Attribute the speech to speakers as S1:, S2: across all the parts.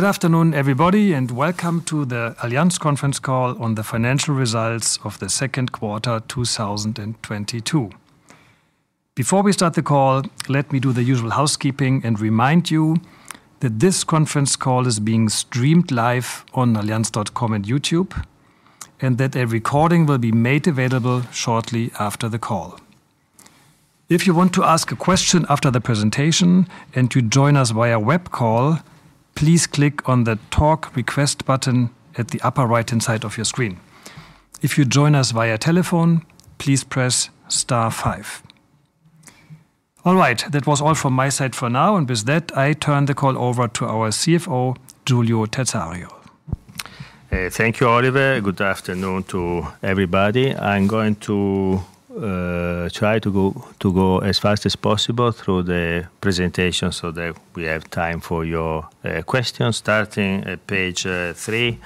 S1: Good afternoon, everybody, and welcome to the Allianz conference call on the financial results of the second quarter 2022. Before we start the call, let me do the usual housekeeping and remind you that this conference call is being streamed live on allianz.com and YouTube, and that a recording will be made available shortly after the call. If you want to ask a question after the presentation and to join us via web call, please click on the Talk Request button at the upper right-hand side of your screen. If you join us via telephone, please press star five. All right. That was all from my side for now, and with that, I turn the call over to our CFO, Giulio Terzariol.
S2: Thank you, Oliver. Good afternoon to everybody. I'm going to try to go as fast as possible through the presentation so that we have time for your questions. Starting at page three,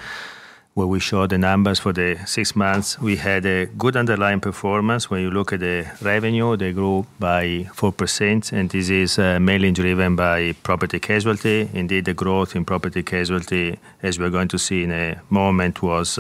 S2: where we show the numbers for the six months. We had a good underlying performance. When you look at the revenue, they grew by 4%, and this is mainly driven by property-casualty. Indeed, the growth in property-casualty, as we are going to see in a moment, was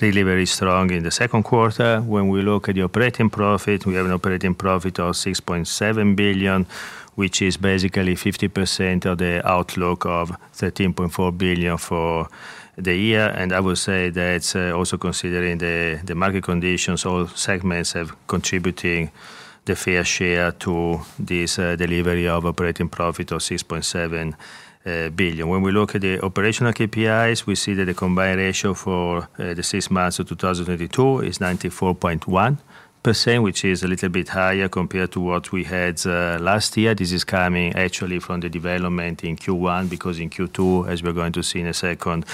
S2: really very strong in the second quarter. When we look at the operating profit, we have an operating profit of 6.7 billion, which is basically 50% of the outlook of 13.4 billion for the year. I will say that, also considering the market conditions, all segments have contributing the fair share to this delivery of operating profit of 6.7 billion. When we look at the operational KPIs, we see that the combined ratio for the six months of 2022 is 94.1%, which is a little bit higher compared to what we had last year. This is coming actually from the development in Q1, because in Q2, as we are going to see in a second,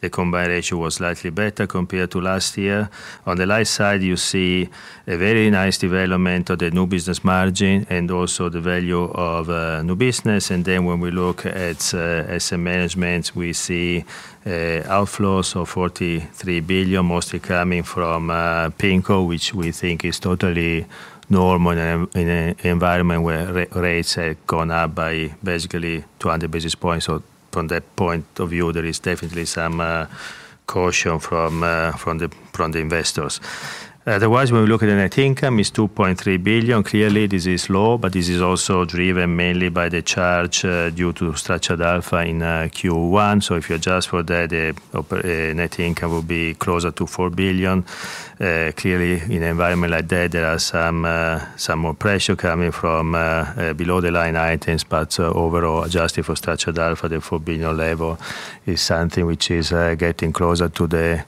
S2: the combined ratio was slightly better compared to last year. On the right side, you see a very nice development of the new business margin and also the value of new business. When we look at asset management, we see outflows of 43 billion, mostly coming from PIMCO, which we think is totally normal in an environment where rates have gone up by basically 200 basis points. From that point of view, there is definitely some more pressure coming from below the line items. Overall, adjusted for Structured Alpha, the EUR 4 billion level is something which is getting closer to the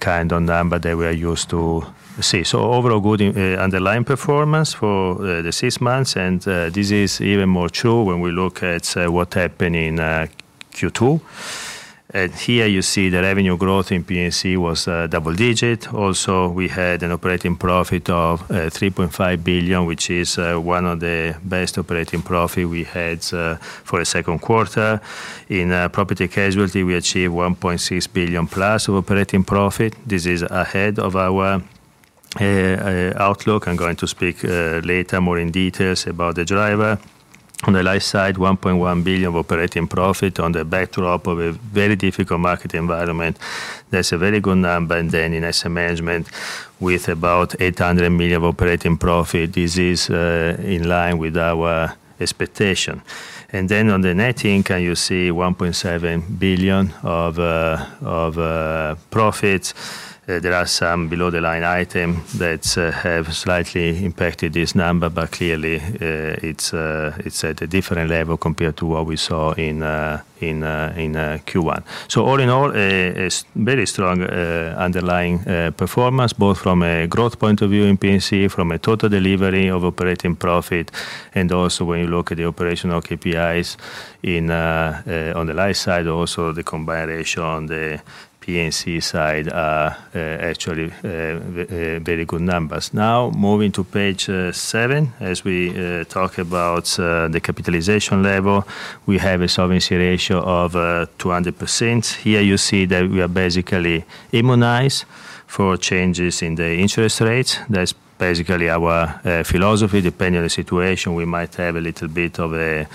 S2: kind of number that we are used to see. Overall good underlying performance for the six months. This is even more true when we look at what happened in Q2. Here you see the revenue growth in P&C was double-digit. Also, we had an operating profit of 3.5 billion, which is one of the best operating profit we had for the second quarter. In property-casualty, we achieved 1.6 billion+ of operating profit. This is ahead of our outlook. I'm going to speak later more in details about the driver. On the life side, 1.1 billion of operating profit on the backdrop of a very difficult market environment. That's a very good number. Then in asset management, with about 800 million of operating profit, this is in line with our expectation. Then on the net income, you see 1.7 billion of profits. There are some below the line item that have slightly impacted this number, but clearly, it's at a different level compared to what we saw in Q1. All in all, a very strong underlying performance both from a growth point of view in P&C, from a total delivery of operating profit, and also when you look at the operational KPIs on the life side, also the combined ratio on the P&C side are actually very good numbers. Now moving to page seven as we talk about the capitalization level. We have a solvency ratio of 200%. Here you see that we are basically immunized for changes in the interest rates. That's basically our philosophy. Depending on the situation, we might have a little bit of a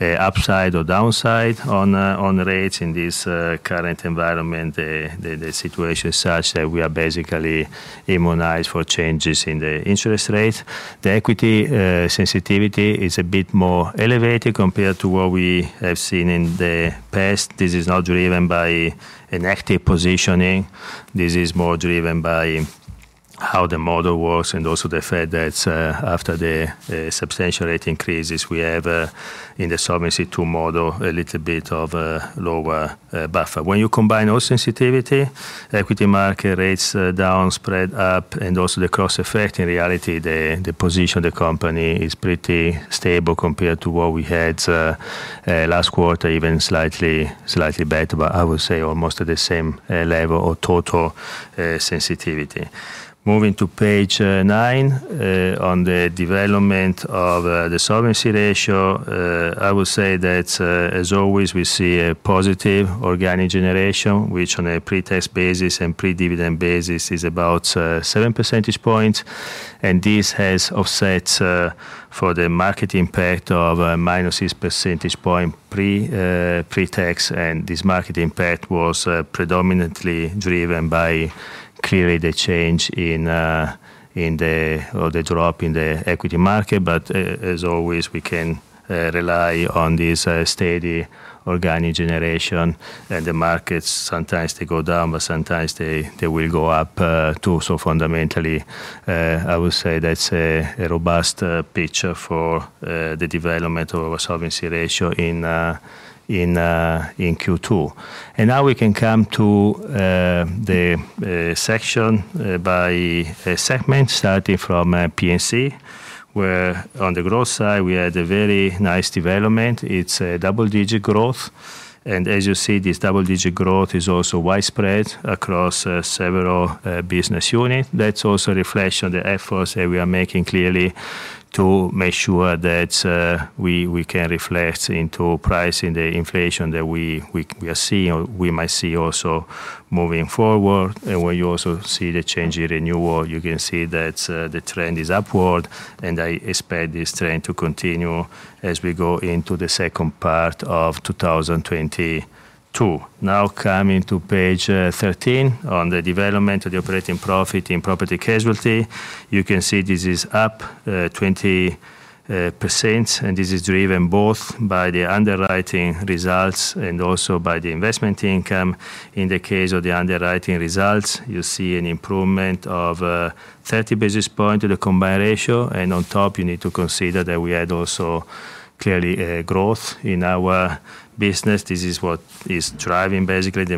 S2: upside or downside on rates. In this current environment, the situation is such that we are basically immunized for changes in the interest rates. The equity sensitivity is a bit more elevated compared to what we have seen in the past. This is not driven by an active positioning. This is more driven by how the model works and also the fact that, after the substantial rate increases we have in the Solvency II model, a little bit of a lower buffer. When you combine all sensitivity, equity market rates down, spread up, and also the cross effect, in reality, the position of the company is pretty stable compared to what we had last quarter, even slightly better. I would say almost at the same level of total sensitivity. Moving to page nine on the development of the solvency ratio, I would say that as always, we see a positive organic generation, which on a pre-tax basis and pre-dividend basis is about 7 percentage points. This has offset the market impact -6 percentage point pre-tax. This market impact was predominantly driven by the drop in the equity market. As always, we can rely on this steady organic generation. The markets sometimes go down, but sometimes they will go up too. Fundamentally, I would say that's a robust picture for the development of our solvency ratio in Q2. Now we can come to the section by segment starting from P&C, where on the growth side, we had a very nice development. It's a double-digit growth. As you see, this double-digit growth is also widespread across several business unit. That's also a reflection of the efforts that we are making clearly to make sure that we can reflect into pricing the inflation that we are seeing or we might see also moving forward. Where you also see the change in renewal, you can see that the trend is upward, and I expect this trend to continue as we go into the second part of 2022. Now coming to page 13 on the development of the operating profit in property casualty. You can see this is up 20%, and this is driven both by the underwriting results and also by the investment income. In the case of the underwriting results, you see an improvement of 30 basis points to the combined ratio, and on top you need to consider that we had also clearly a growth in our business. This is what is driving basically the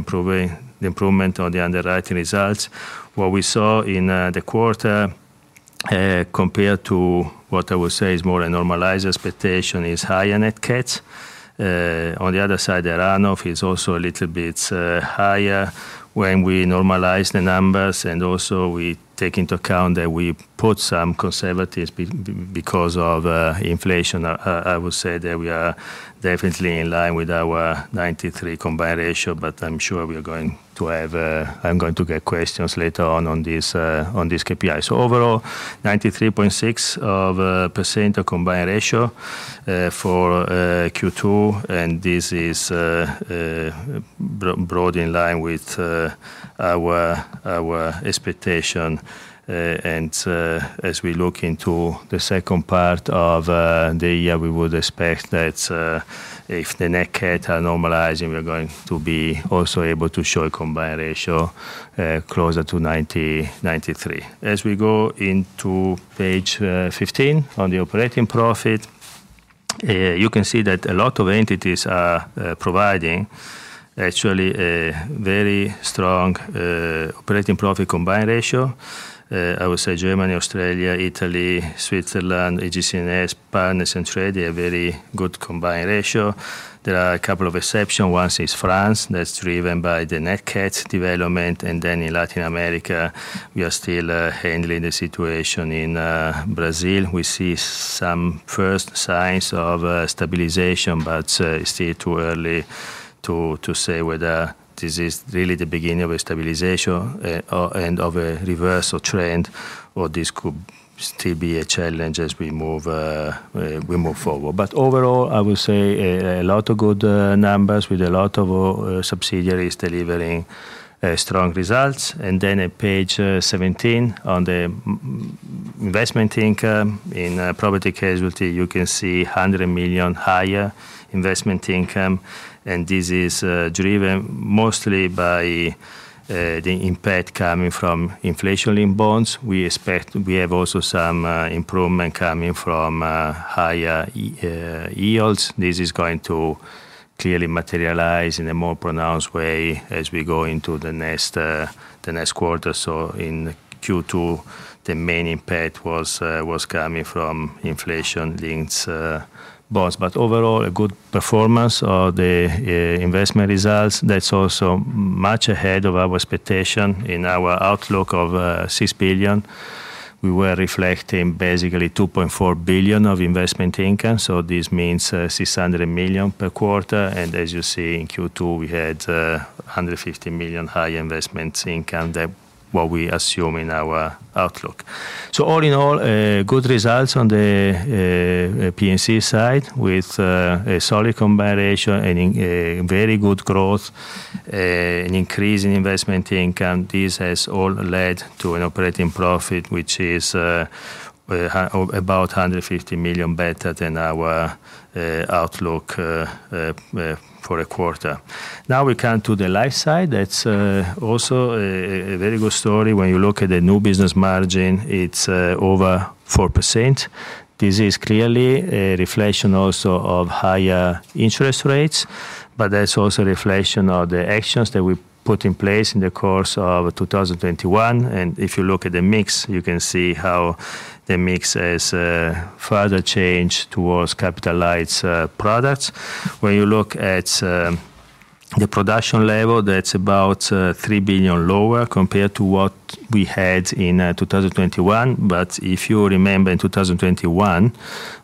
S2: improvement on the underwriting results. What we saw in the quarter compared to what I would say is more a normalized expectation is higher net CATs. On the other side, the runoff is also a little bit higher when we normalize the numbers and also we take into account that we put some conservatism because of inflation. I would say that we are definitely in line with our 93% combined ratio. I'm sure we are going to have, I'm going to get questions later on on this, on this KPI. Overall, 93.6% combined ratio, for Q2, and this is, broad in line with, our expectation. As we look into the second part of, the year, we would expect that, if the net CATs are normalizing, we are going to be also able to show a combined ratio, closer to 93%. As we go into page 15 on the operating profit, you can see that a lot of entities are, providing actually a very strong, operating profit combined ratio. I would say Germany, Australia, Italy, Switzerland, AGCS, Partners and Trade are very good combined ratio. There are a couple of exceptions. One is France, that's driven by the net CATs development. In Latin America, we are still handling the situation in Brazil. We see some first signs of stabilization, but still too early to say whether this is really the beginning of a stabilization or of a reversal trend, or this could still be a challenge as we move forward. Overall, I would say a lot of good numbers with a lot of subsidiaries delivering strong results. At page seventeen on the investment income in property casualty, you can see 100 million higher investment income, and this is driven mostly by the impact coming from inflation-linked bonds. We expect we have also some improvement coming from higher yields. This is going to clearly materialize in a more pronounced way as we go into the next quarter. In Q2, the main impact was coming from inflation-linked bonds. Overall, a good performance of the investment results that's also much ahead of our expectation. In our outlook of 6 billion, we were reflecting basically 2.4 billion of investment income, so this means 600 million per quarter. As you see in Q2, we had 150 million higher investment income than what we assume in our outlook. All in all, good results on the P&C side with a solid combined ratio and very good growth, an increase in investment income. This has all led to an operating profit, which is about 150 million better than our outlook for a quarter. Now we come to the life side. That's also a very good story. When you look at the new business margin, it's over 4%. This is clearly a reflection also of higher interest rates, but that's also a reflection of the actions that we put in place in the course of 2021. If you look at the mix, you can see how the mix has further changed towards capitalized products. When you look at the production level, that's about 3 billion lower compared to what we had in 2021. But if you remember in 2021,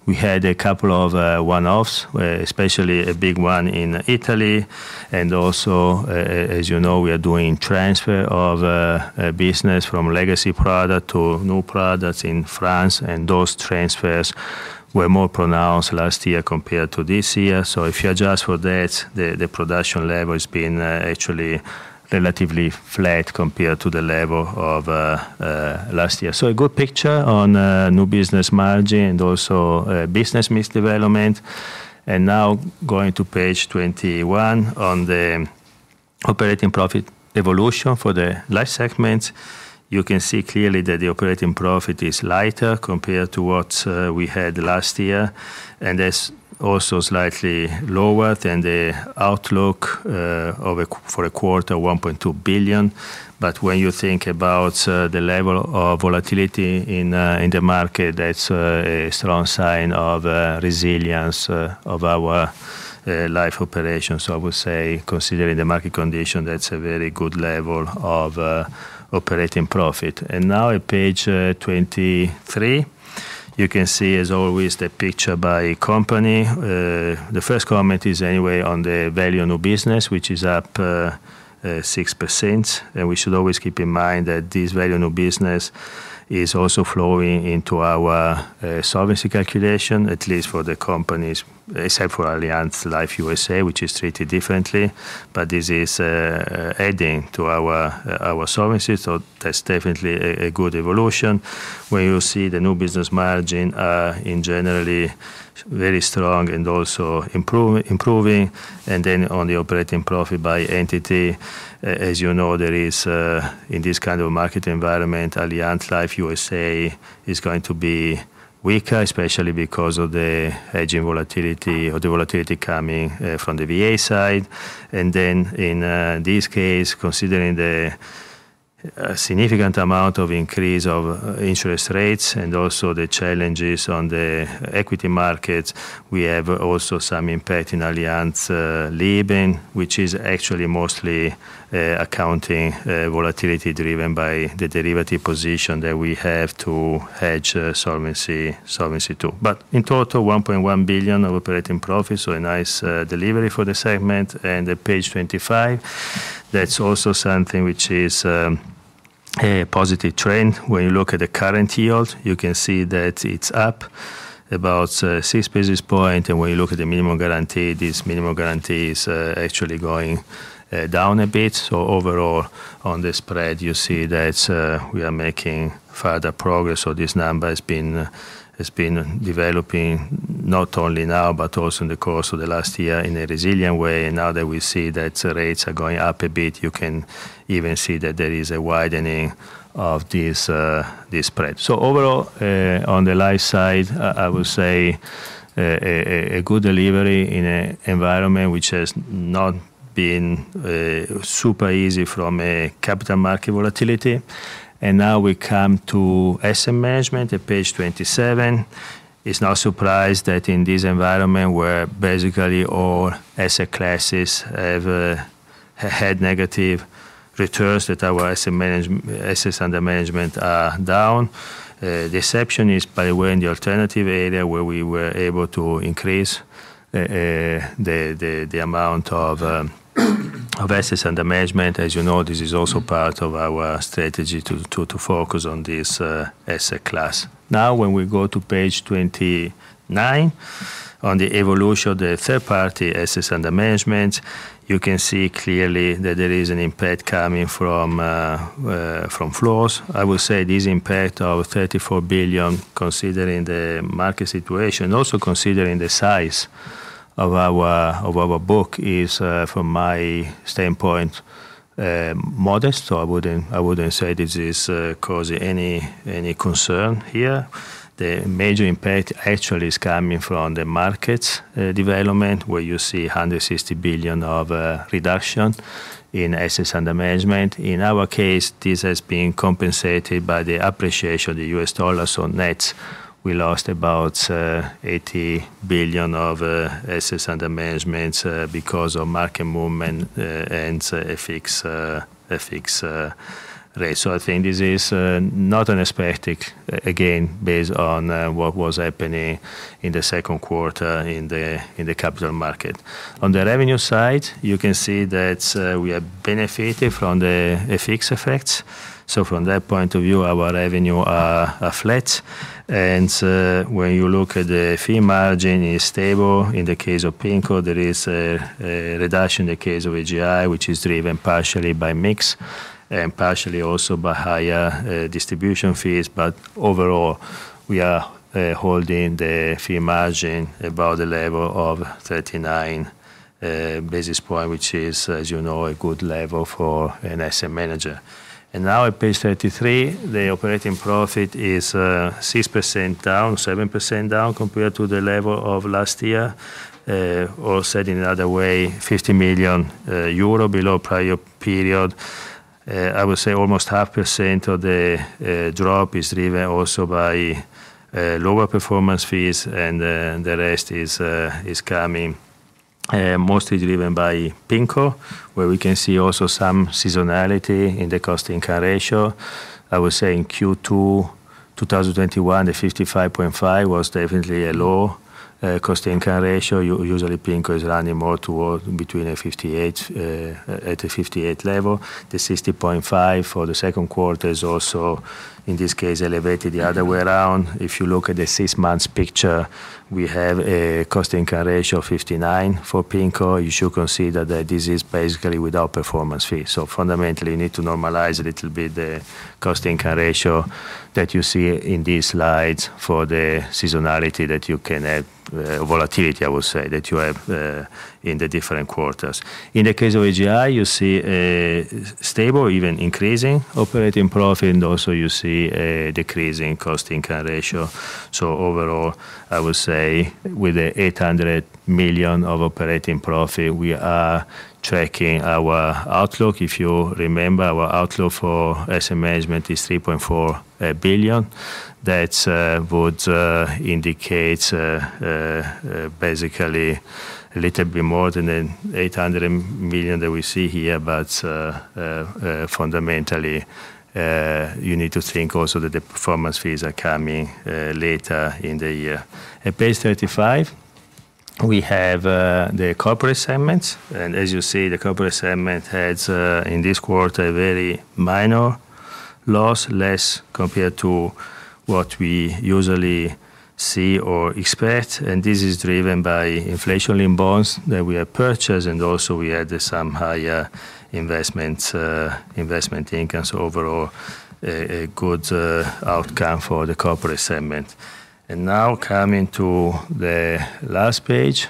S2: we had a couple of one-offs, especially a big one in Italy, and also, as you know, we are doing transfer of business from legacy product to new products in France, and those transfers were more pronounced last year compared to this year. If you adjust for that, the production level has been actually relatively flat compared to the level of last year. A good picture on new business margin and also business mix development. Now going to page 21 on the operating profit evolution for the Life segments. You can see clearly that the operating profit is lighter compared to what we had last year, and that's also slightly lower than the outlook for Q1 1.2 billion. But when you think about the level of volatility in the market, that's a strong sign of resilience of our life operations. I would say considering the market condition, that's a very good level of operating profit. Now at page 23, you can see as always the picture by company. The first comment is anyway on the value of new business, which is up 6%. We should always keep in mind that this value new business is also flowing into our Solvency calculation, at least for the companies, except for Allianz Life USA, which is treated differently. This is adding to our Solvency. That's definitely a good evolution. When you see the new business margin, in general very strong and also improving. Then on the operating profit by entity, as you know, there is, in this kind of market environment, Allianz Life USA is going to be weaker, especially because of the hedging volatility or the volatility coming from the VA side. In this case, considering a significant amount of increase of interest rates and also the challenges on the equity markets, we have also some impact in Allianz Leben, which is actually mostly accounting volatility driven by the derivative position that we have to hedge Solvency II. In total, 1.1 billion of operating profit, so a nice delivery for the segment. At page 25, that's also something which is a positive trend. When you look at the current yield, you can see that it's up about six basis points. When you look at the minimum guarantee, this minimum guarantee is actually going down a bit. Overall, on the spread, you see that we are making further progress. This number has been developing not only now but also in the course of the last year in a resilient way. Now that we see that rates are going up a bit, you can even see that there is a widening of this spread. Overall, on the Life side, I would say a good delivery in an environment which has not been super easy from capital market volatility. Now we come to Asset management at page 27. It's no surprise that in this environment where basically all asset classes have had negative returns that our assets under management are down. The exception is by the way in the alternative area where we were able to increase the amount of assets under management. As you know, this is also part of our strategy to focus on this asset class. Now, when we go to page 29 on the evolution of the third-party assets under management, you can see clearly that there is an impact coming from flows. I would say this impact of 34 billion, considering the market situation, also considering the size of our book, is from my standpoint modest. I wouldn't say this is causing any concern here. The major impact actually is coming from the market development, where you see 160 billion of reduction in assets under management. In our case, this has been compensated by the appreciation of the U.S. dollar. Net, we lost about 80 billion of assets under management because of market movement and FX rate. I think this is not unexpected, again, based on what was happening in the second quarter in the capital market. On the revenue side, you can see that we have benefited from the FX effects. From that point of view, our revenue are flat. When you look at the fee margin is stable. In the case of PIMCO, there is a reduction. In the case of AGI, which is driven partially by mix and partially also by higher distribution fees. Overall, we are holding the fee margin above the level of 39 basis points, which is, as you know, a good level for an asset manager. Now at page 33, the operating profit is 6% down, 7% down compared to the level of last year. Or said in another way, 50 million euro below prior period. I would say almost 0.5% of the drop is driven also by lower performance fees, and the rest is coming mostly driven by PIMCO, where we can see also some seasonality in the cost income ratio. I would say in Q2 2021, the 55.5% was definitely a low cost income ratio. Usually PIMCO is running more towards between a 58%, at a 58% level. The 60.5% for the second quarter is also, in this case, elevated the other way around. If you look at the six months picture, we have a cost income ratio of 59% for PIMCO. You should consider that this is basically without performance fee. Fundamentally you need to normalize a little bit the cost income ratio that you see in these slides for the seasonality that you can have, volatility I would say, that you have in the different quarters. In the case of AGI, you see a stable even increasing operating profit, and also you see a decreasing cost income ratio. Overall, I would say with the 800 million of operating profit, we are tracking our outlook. If you remember, our outlook for asset management is 3.4 billion. That would indicate basically a little bit more than the 800 million that we see here. Fundamentally, you need to think also that the performance fees are coming later in the year. At page 35, we have the Corporate segment. As you see, the Corporate segment has, in this quarter, a very minor loss, less compared to what we usually see or expect. This is driven by inflation in bonds that we have purchased, and also we had some higher investment income. Overall a good outcome for the Corporate segment. Now coming to the last page,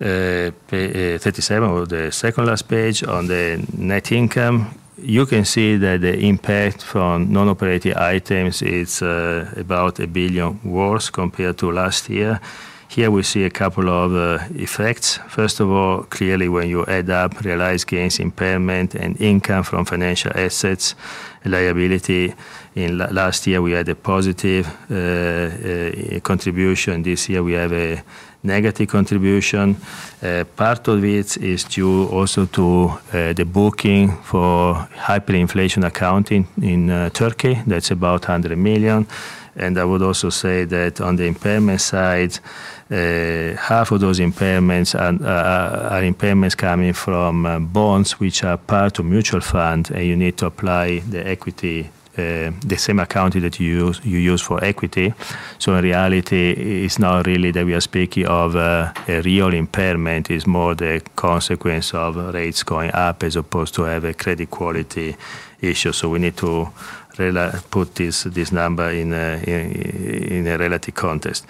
S2: 37 or the second last page on the net income. You can see that the impact from non-operating items is about 1 billion worse compared to last year. Here we see a couple of effects. First of all, clearly, when you add up realized gains, impairment, and income from financial assets and liabilities, last year we had a positive contribution. This year we have a negative contribution. Part of it is due also to the booking for hyperinflation accounting in Turkey. That's about 100 million. I would also say that on the impairment side, half of those impairments are impairments coming from bonds which are part of mutual fund. You need to apply the equity, the same accounting that you use for equity. In reality, it's not really that we are speaking of a real impairment, it's more the consequence of rates going up as opposed to have a credit quality issue. We need to put this number in a relative context.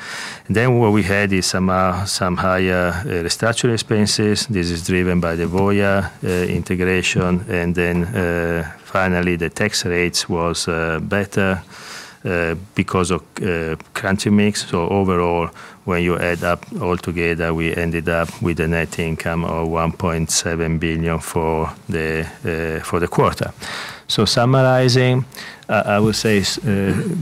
S2: What we had is some higher restructure expenses. This is driven by the Voya integration. Finally, the tax rates was better because of country mix. Overall, when you add up all together, we ended up with a net income of 1.7 billion for the quarter. Summarizing, I would say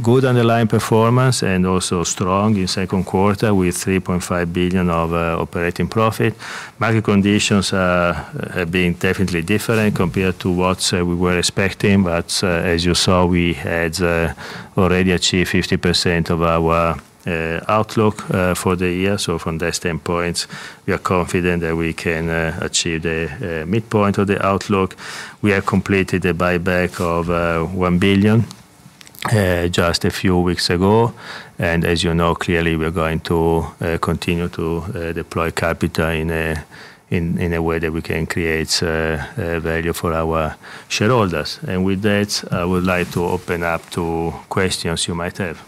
S2: good underlying performance and also strong in second quarter with 3.5 billion of operating profit. Market conditions have been definitely different compared to what we were expecting. As you saw, we had already achieved 50% of our outlook for the year. From that standpoint, we are confident that we can achieve the midpoint of the outlook. We have completed a buyback of 1 billion just a few weeks ago. As you know, clearly we're going to continue to deploy capital in a way that we can create value for our shareholders. With that, I would like to open up to questions you might have.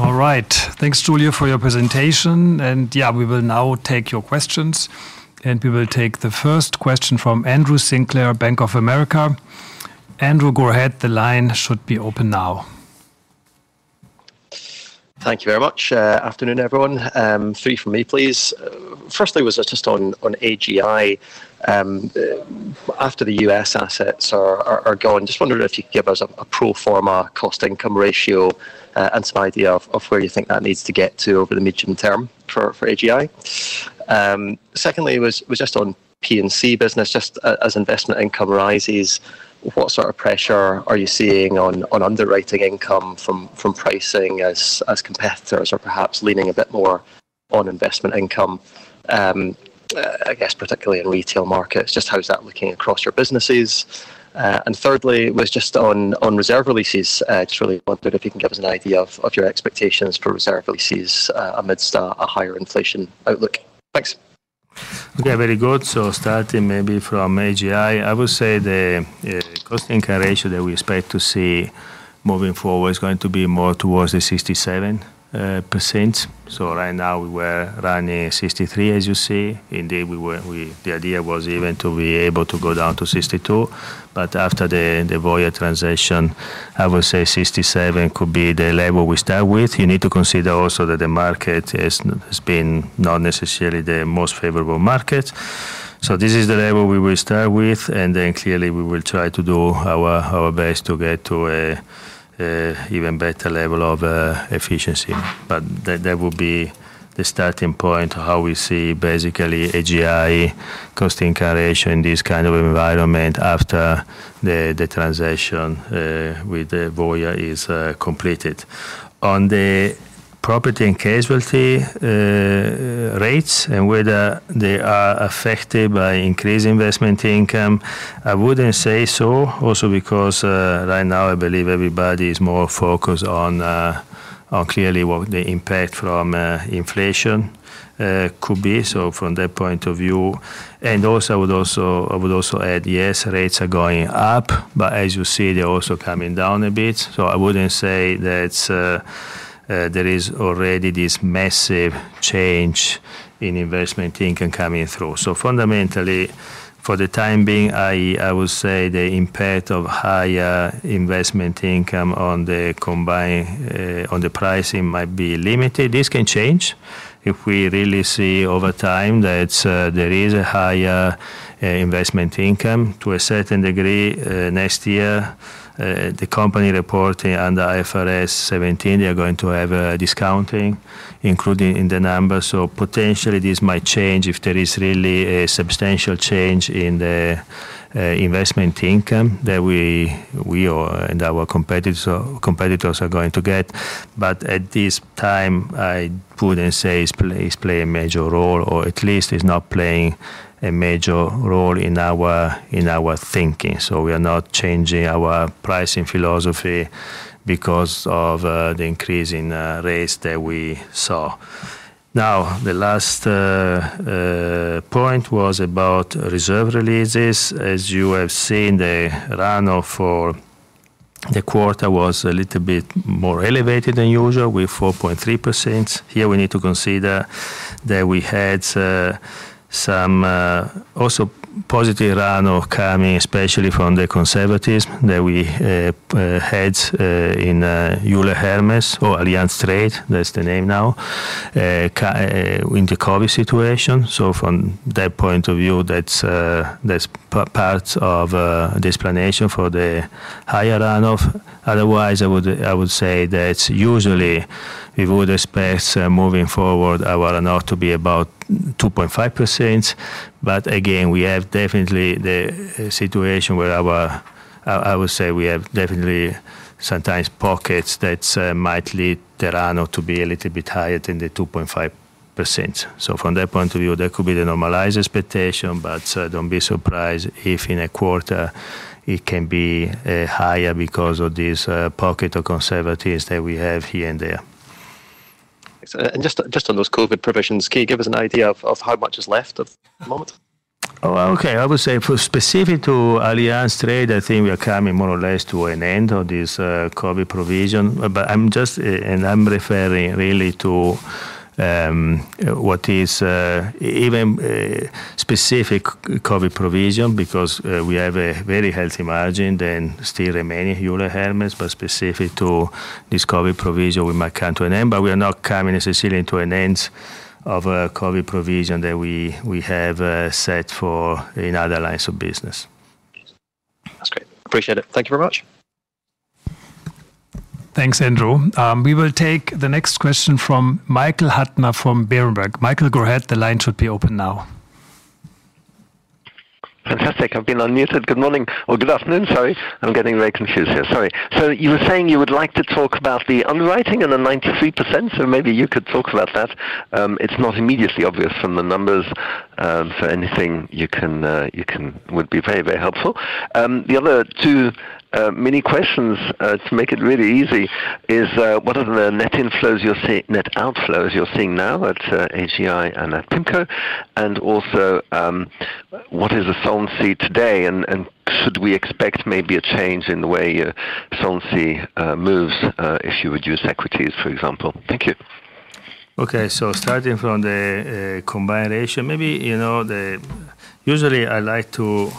S1: All right. Thanks, Giulio, for your presentation. Yeah, we will now take your questions, and we will take the first question from Andrew Sinclair, Bank of America. Andrew, go ahead. The line should be open now.
S3: Thank you very much. Afternoon, everyone. Three from me, please. Firstly was just on AGI. After the U.S. assets are gone, just wondering if you could give us a pro forma cost income ratio, and some idea of where you think that needs to get to over the medium term for AGI. Secondly was just on P&C business, just as investment income rises, what sort of pressure are you seeing on underwriting income from pricing as competitors or perhaps leaning a bit more on investment income? I guess particularly in retail markets, just how is that looking across your businesses? And thirdly was just on reserve releases. Just really wondered if you can give us an idea of your expectations for reserve releases amidst a higher inflation outlook? Thanks.
S2: Okay, very good. Starting maybe from AGI, I would say the cost income ratio that we expect to see moving forward is going to be more towards the 67%. Right now we were running 63%, as you see. Indeed, we were. The idea was even to be able to go down to 62%. But after the Voya transition, I would say 67% could be the level we start with. You need to consider also that the market has been not necessarily the most favorable market. This is the level we will start with, and then clearly we will try to do our best to get to a even better level of efficiency. That will be the starting point of how we see basically AGI cost integration, this kind of environment after the transaction with the Voya is completed. On the property and casualty rates and whether they are affected by increased investment income, I wouldn't say so. Also because right now I believe everybody is more focused on clearly what the impact from inflation could be. From that point of view. I would add, yes, rates are going up, but as you see, they're also coming down a bit. I wouldn't say that there is already this massive change in investment income coming through. Fundamentally, for the time being, I would say the impact of higher investment income on the pricing might be limited. This can change if we really see over time that there is a higher investment income. To a certain degree, next year, the company reporting under IFRS 17, they are going to have a discounting including in the numbers. Potentially this might change if there is really a substantial change in the investment income that we or our competitors are going to get. At this time, I wouldn't say it's playing a major role, or at least it's not playing a major role in our thinking. We are not changing our pricing philosophy because of the increase in rates that we saw. Now, the last point was about reserve releases. As you have seen, the runoff for the quarter was a little bit more elevated than usual with 4.3%. Here we need to consider that we had some also positive runoff coming, especially from the reserves that we had in Euler Hermes or Allianz Trade, that's the name now, in the COVID situation. From that point of view, that's part of the explanation for the higher runoff. Otherwise, I would say that usually we would expect moving forward our runoff to be about 2.5%. Again, we have definitely the situation where I would say we have definitely sometimes pockets that might lead the runoff to be a little bit higher than the 2.5%. From that point of view, that could be the normalized expectation, but don't be surprised if in a quarter it can be higher because of this pockets of conservatism that we have here and there.
S3: Just on those COVID provisions, can you give us an idea of how much is left at the moment?
S2: Okay. I would say for specific to Allianz Trade, I think we are coming more or less to an end of this COVID provision. I'm just and I'm referring really to what is even specific COVID provision because we have a very healthy margin that still remaining Euler Hermes. Specific to this COVID provision, we might come to an end, but we are not coming necessarily to an end of COVID provision that we have set for in other lines of business.
S3: That's great. Appreciate it. Thank you very much.
S1: Thanks, Andrew. We will take the next question from Michael Huttner from Berenberg. Michael, go ahead. The line should be open now.
S4: Fantastic. I've been unmuted. Good morning or good afternoon. Sorry. I'm getting very confused here. Sorry. You were saying you would like to talk about the underwriting and the 93%, so maybe you could talk about that? It's not immediately obvious from the numbers, for anything you can would be very, very helpful. The other two mini questions to make it really easy is what are the net outflows you're seeing now at AGI and at PIMCO? Also, what is the Solvency today, and should we expect maybe a change in the way Solvency moves if you reduce equities, for example? Thank you.
S2: Okay. Starting from the combined ratio, maybe, you know. Usually I like to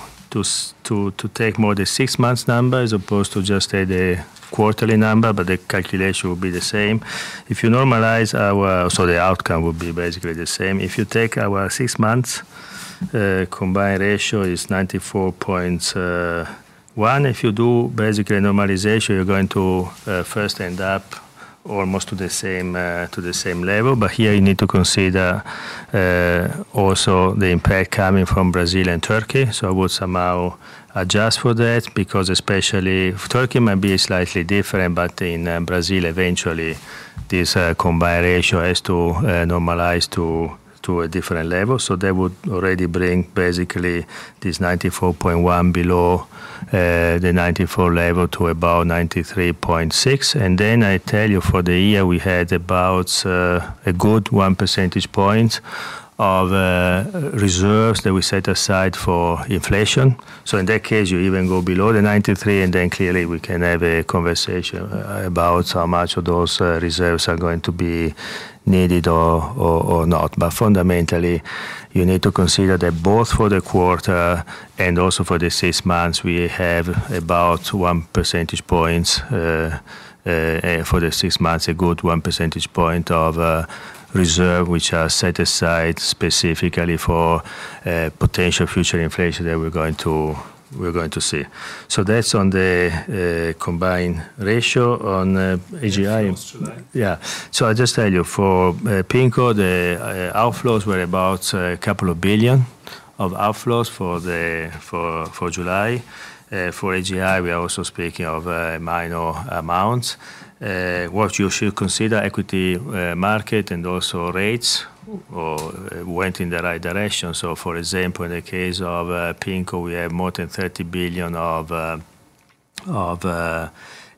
S2: take more the six months number as opposed to just take the quarterly number, but the calculation will be the same. If you normalize, the outcome will be basically the same. If you take our six months combined ratio is 94.1%. If you do basically normalization, you're going to first end up almost to the same level. Here you need to consider also the impact coming from Brazil and Turkey. I would somehow adjust for that because especially Turkey might be slightly different, but in Brazil, eventually this combined ratio has to normalize to a different level. That would already bring basically this 94.1% below the 94% level to about 93.6%. I tell you for the year, we had about a good 1 percentage point of reserves that we set aside for inflation. In that case, you even go below the 93%, and then clearly we can have a conversation about how much of those reserves are going to be needed or not. Fundamentally, you need to consider that both for the quarter and also for the six months, we have about 1 percentage point for the six months, a good 1 percentage point of reserves which are set aside specifically for potential future inflation that we're going to see. That's on the combined ratio on AGI. Outflows today. I just tell you for PIMCO, the outflows were about a couple of billion outflows for July. For AGI, we are also speaking of minor amounts. What you should consider equity market and also rates went in the right direction? For example, in the case of PIMCO, we have more than 30 billion of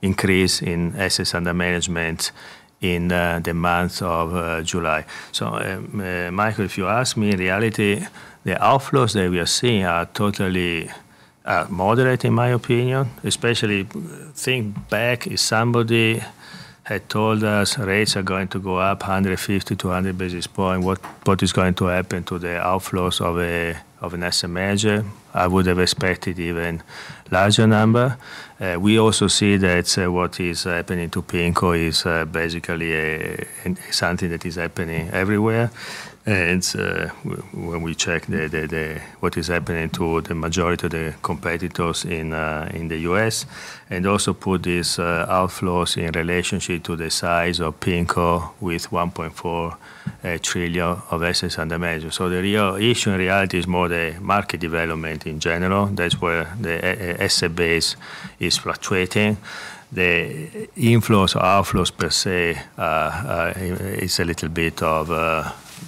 S2: increase in assets under management in the month of July. Michael, if you ask me in reality, the outflows that we are seeing are totally moderate in my opinion. Especially think back if somebody had told us rates are going to go up 150-100 basis points, what is going to happen to the outflows of an asset manager? I would have expected even larger number. We also see that what is happening to PIMCO is basically something that is happening everywhere. When we check what is happening to the majority of the competitors in the U.S., and also put this outflows in relationship to the size of PIMCO with 1.4 trillion of assets under management. The real issue in reality is more the market development in general. That's where the asset base is fluctuating. The inflows or outflows per se is a little bit of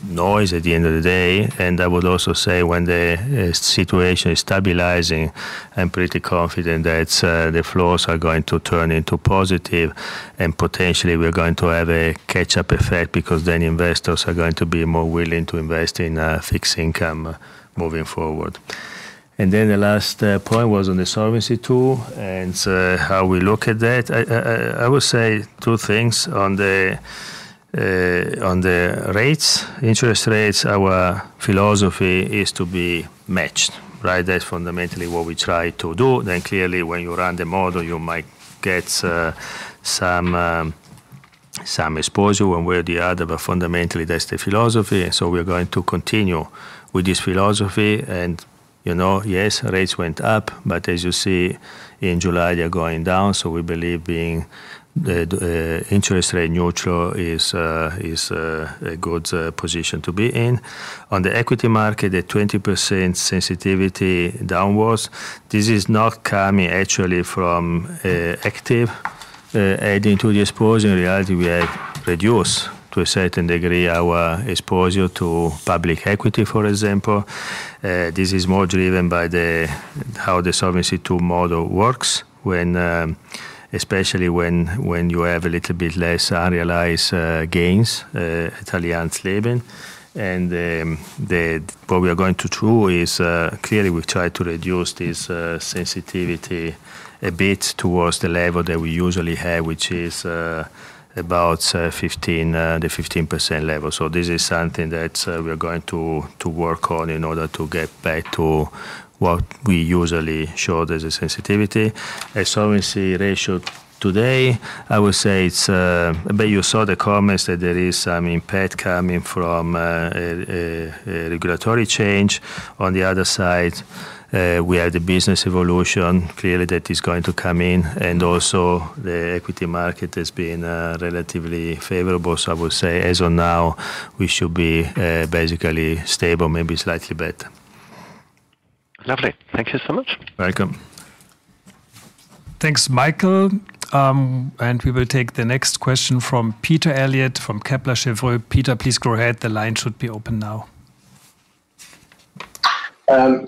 S2: noise at the end of the day. I would also say when the situation is stabilizing, I'm pretty confident that the flows are going to turn into positive and potentially we're going to have a catch-up effect because then investors are going to be more willing to invest in fixed income moving forward. The last point was on the Solvency II and how we look at that. I would say two things on the rates. Interest rates, our philosophy is to be matched, right? That's fundamentally what we try to do. Clearly, when you run the model, you might get some exposure one way or the other, but fundamentally that's the philosophy. We're going to continue with this philosophy and, you know, yes, rates went up, but as you see in July, they are going down. We believe being the interest rate neutral is a good position to be in. On the equity market, the 20% sensitivity downwards, this is not coming actually from active adding to the exposure. In reality, we have reduced to a certain degree our exposure to public equity, for example. This is more driven by how the Solvency II model works when especially when you have a little bit less unrealized gains Allianz Leben. What we are going to do is clearly we try to reduce this sensitivity a bit towards the level that we usually have, which is about fifteen the 15% level. This is something that we are going to work on in order to get back to what we usually show as a sensitivity. A Solvency ratio today, I would say it's. You saw the comments that there is some impact coming from a regulatory change. On the other side, we have the business evolution clearly that is going to come in and also the equity market has been relatively favorable. I would say as of now, we should be basically stable, maybe slightly better.
S4: Lovely. Thank you so much.
S2: Welcome.
S1: Thanks, Michael. We will take the next question from Peter Eliot from Kepler Cheuvreux. Peter, please go ahead. The line should be open now.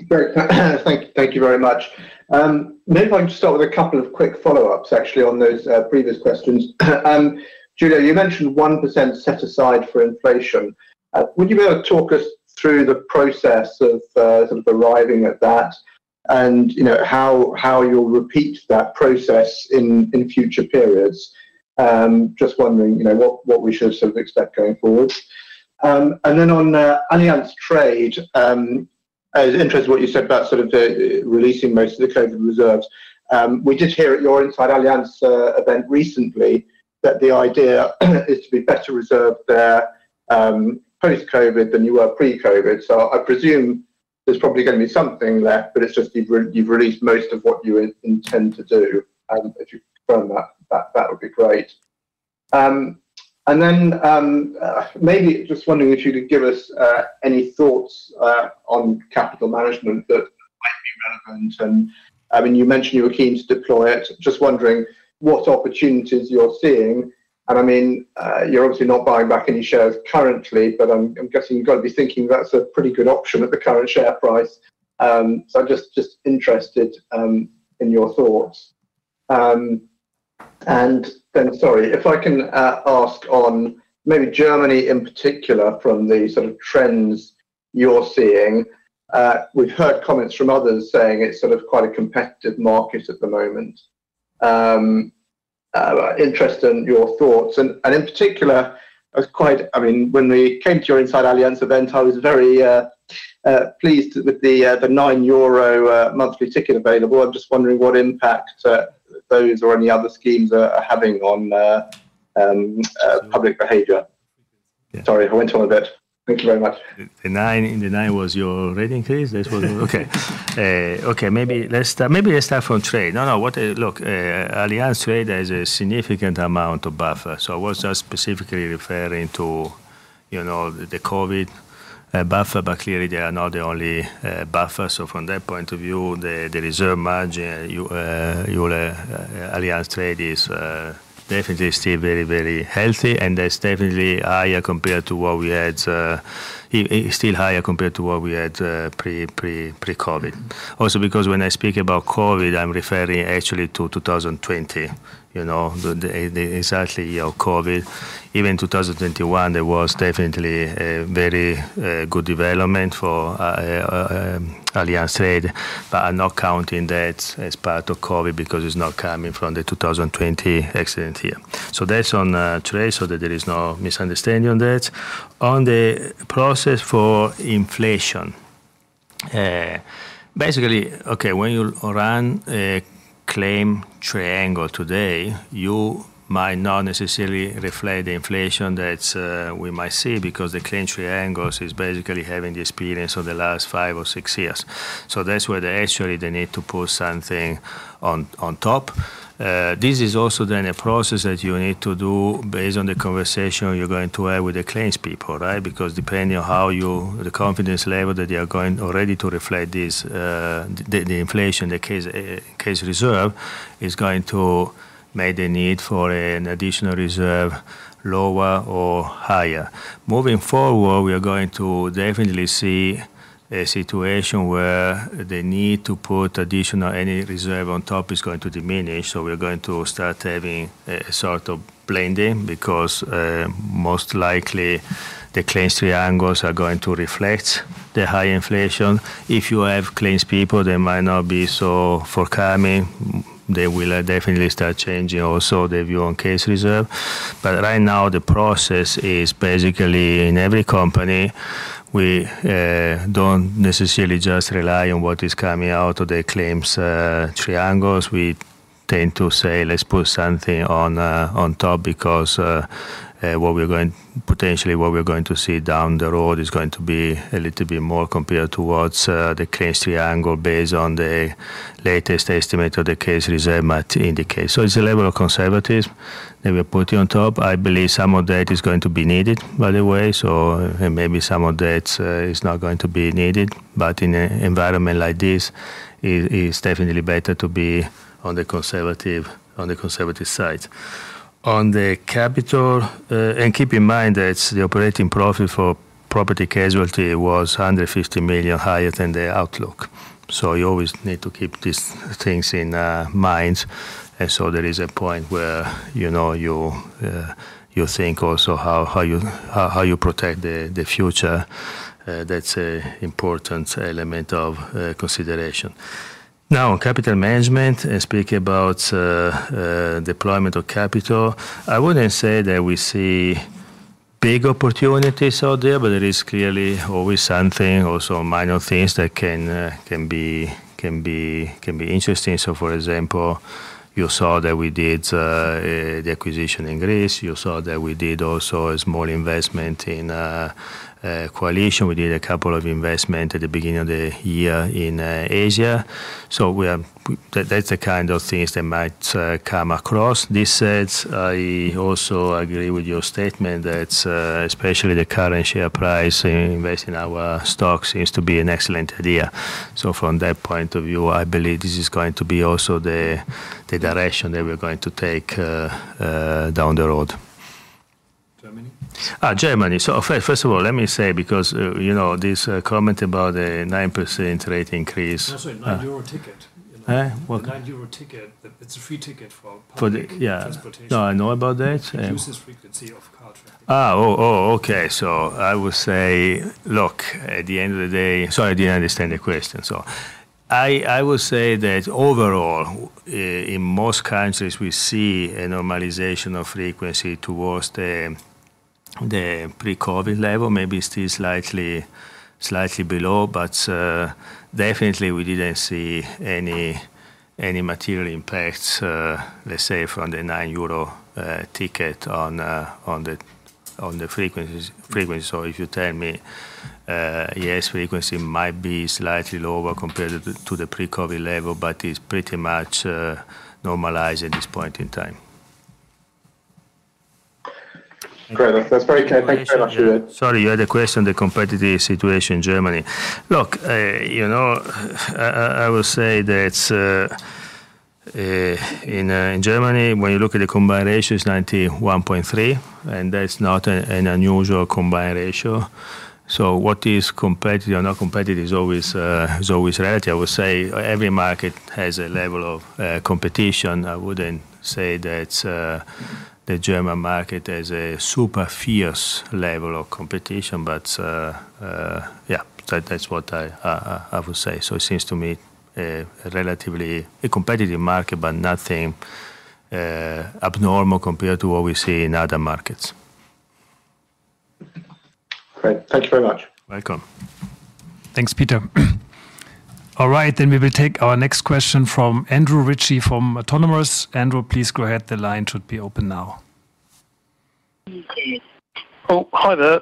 S5: Great. Thank you very much. Maybe if I can start with a couple of quick follow-ups actually on those previous questions. Giulio, you mentioned 1% set aside for inflation. Would you be able to talk us through the process of sort of arriving at that and, you know, how you'll repeat that process in future periods? Just wondering, you know, what we should sort of expect going forward? And then on Allianz Trade, I was interested what you said about sort of the releasing most of the COVID reserves. We did hear at your Inside Allianz event recently that the idea is to be better reserved there post-COVID than you were pre-COVID. I presume there's probably gonna be something left, but it's just you've released most of what you intend to do. If you could confirm that would be great. Maybe just wondering if you could give us any thoughts on capital management that might be relevant? I mean, you mentioned you were keen to deploy it. Just wondering what opportunities you're seeing? I mean, you're obviously not buying back any shares currently, but I'm guessing you've got to be thinking that's a pretty good option at the current share price. I'm just interested in your thoughts. Sorry, if I can ask on maybe Germany in particular from the sort of trends you're seeing? We've heard comments from others saying it's sort of quite a competitive market at the moment. Interested in your thoughts. In particular, I mean, when we came to your Inside Allianz event, I was very pleased with the 9 euro monthly ticket available. I'm just wondering what impact those or any other schemes are having on public behavior.
S2: Yeah.
S5: Sorry, I went on a bit. Thank you very much.
S2: The nine was your rating please? This was it? Okay. Maybe let's start from trade. Look, Allianz Trade has a significant amount of buffer. I was just specifically referring to, you know, the COVID buffer, but clearly they are not the only buffer. From that point of view, the reserve margin, your Allianz Trade is definitely still very healthy, and that's definitely higher compared to what we had, still higher compared to what we had pre-COVID. Also, because when I speak about COVID, I'm referring actually to 2020. You know, the, it's actually, you know, COVID. Even in 2021, there was definitely a very good development for Allianz Trade, but I'm not counting that as part of COVID because it's not coming from the 2020 accident year. That's on trade, so that there is no misunderstanding on that. On the process for inflation, basically, okay, when you run a claim triangle today, you might not necessarily reflect the inflation that we might see because the claim triangles is basically having the experience of the last five or six years. That's where they actually need to put something on top. This is also then a process that you need to do based on the conversation you're going to have with the claims people, right? Because depending on the confidence level that they are going already to reflect this, the inflation, the case reserve is going to make the need for an additional reserve lower or higher. Moving forward, we are going to definitely see a situation where the need to put any additional reserve on top is going to diminish. We are going to start having a sort of blending because most likely the claims triangles are going to reflect the high inflation. If you have claims people, they might not be so forthcoming. They will definitely start changing also their view on case reserve. Right now the process is basically in every company, we don't necessarily just rely on what is coming out of the claims triangles. We tend to say, "Let's put something on top," because what we're going potentially what we're going to see down the road is going to be a little bit more compared to what's the claims triangle based on the latest estimate of the case reserve might indicate. It's a level of conservatism that we're putting on top. I believe some of that is going to be needed, by the way. Maybe some of that is not going to be needed, but in an environment like this, it is definitely better to be on the conservative side. On the capital, and keep in mind that the operating profit for property casualty was under 50 million higher than the outlook. You always need to keep these things in mind. There is a point where, you know, you think also how you protect the future. That's an important element of consideration. Now, on Capital Management and speaking about deployment of capital, I wouldn't say that we see big opportunities out there, but there is clearly always something, also minor things that can be interesting. For example, you saw that we did the acquisition in Greece. You saw that we did also a small investment in Coalition. We did a couple of investment at the beginning of the year in Asia. That's the kind of things that might come across. That said, I also agree with your statement that, especially the current share price, investing our stocks seems to be an excellent idea. From that point of view, I believe this is going to be also the direction that we're going to take down the road.
S5: Germany?
S2: Germany. First of all, let me say, because, you know, this comment about the 9% rate increase.
S5: No, sorry, 9 euro ticket.
S2: Huh? What?
S5: The 9 euro ticket. It's a free ticket for public.
S2: For the, yeah.
S5: Transportation.
S2: No, I know about that.
S5: It reduces frequency of car traffic.
S2: I would say that overall, in most countries we see a normalization of frequency towards the pre-COVID level, maybe still slightly below. But definitely we didn't see any material impacts, let's say from the 9 euro ticket on the frequencies. If you tell me, yes, frequency might be slightly lower compared to the pre-COVID level, but it's pretty much normalized at this point in time.
S5: Great. That's very clear. Thank you very much for that.
S2: Sorry, you had a question, the competitive situation in Germany. Look, you know, I would say that in Germany, when you look at the combined ratio, it's 91.3%, and that's not an unusual combined ratio. What is competitive or not competitive is always relative. I would say every market has a level of competition. I wouldn't say that the German market has a super fierce level of competition. But yeah, that's what I would say. It seems to me a relatively competitive market, but nothing abnormal compared to what we see in other markets.
S5: Great. Thank you very much.
S2: Welcome.
S1: Thanks, Peter. All right, we will take our next question from Andrew Ritchie from Autonomous. Andrew, please go ahead. The line should be open now.
S6: Oh, hi there.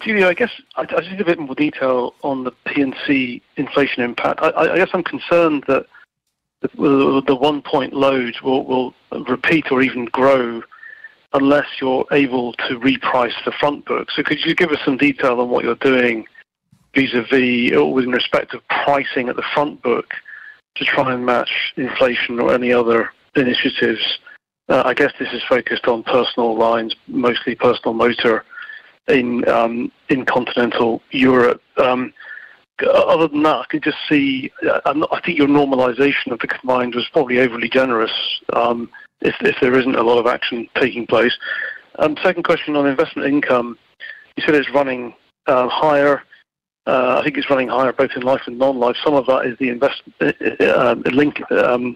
S6: Giulio, I guess I just need a bit more detail on the P&C inflation impact. I guess I'm concerned that the one point load will repeat or even grow unless you're able to reprice the front book. Could you give us some detail on what you're doing vis-à-vis or with respect to pricing at the front book to try and match inflation or any other initiatives? I guess this is focused on personal lines, mostly personal motor in continental Europe. Other than that, I can just see I think your normalization of the combined was probably overly generous if there isn't a lot of action taking place. Second question on investment income. You said it's running higher. I think it's running higher both in life and non-life. Some of that is the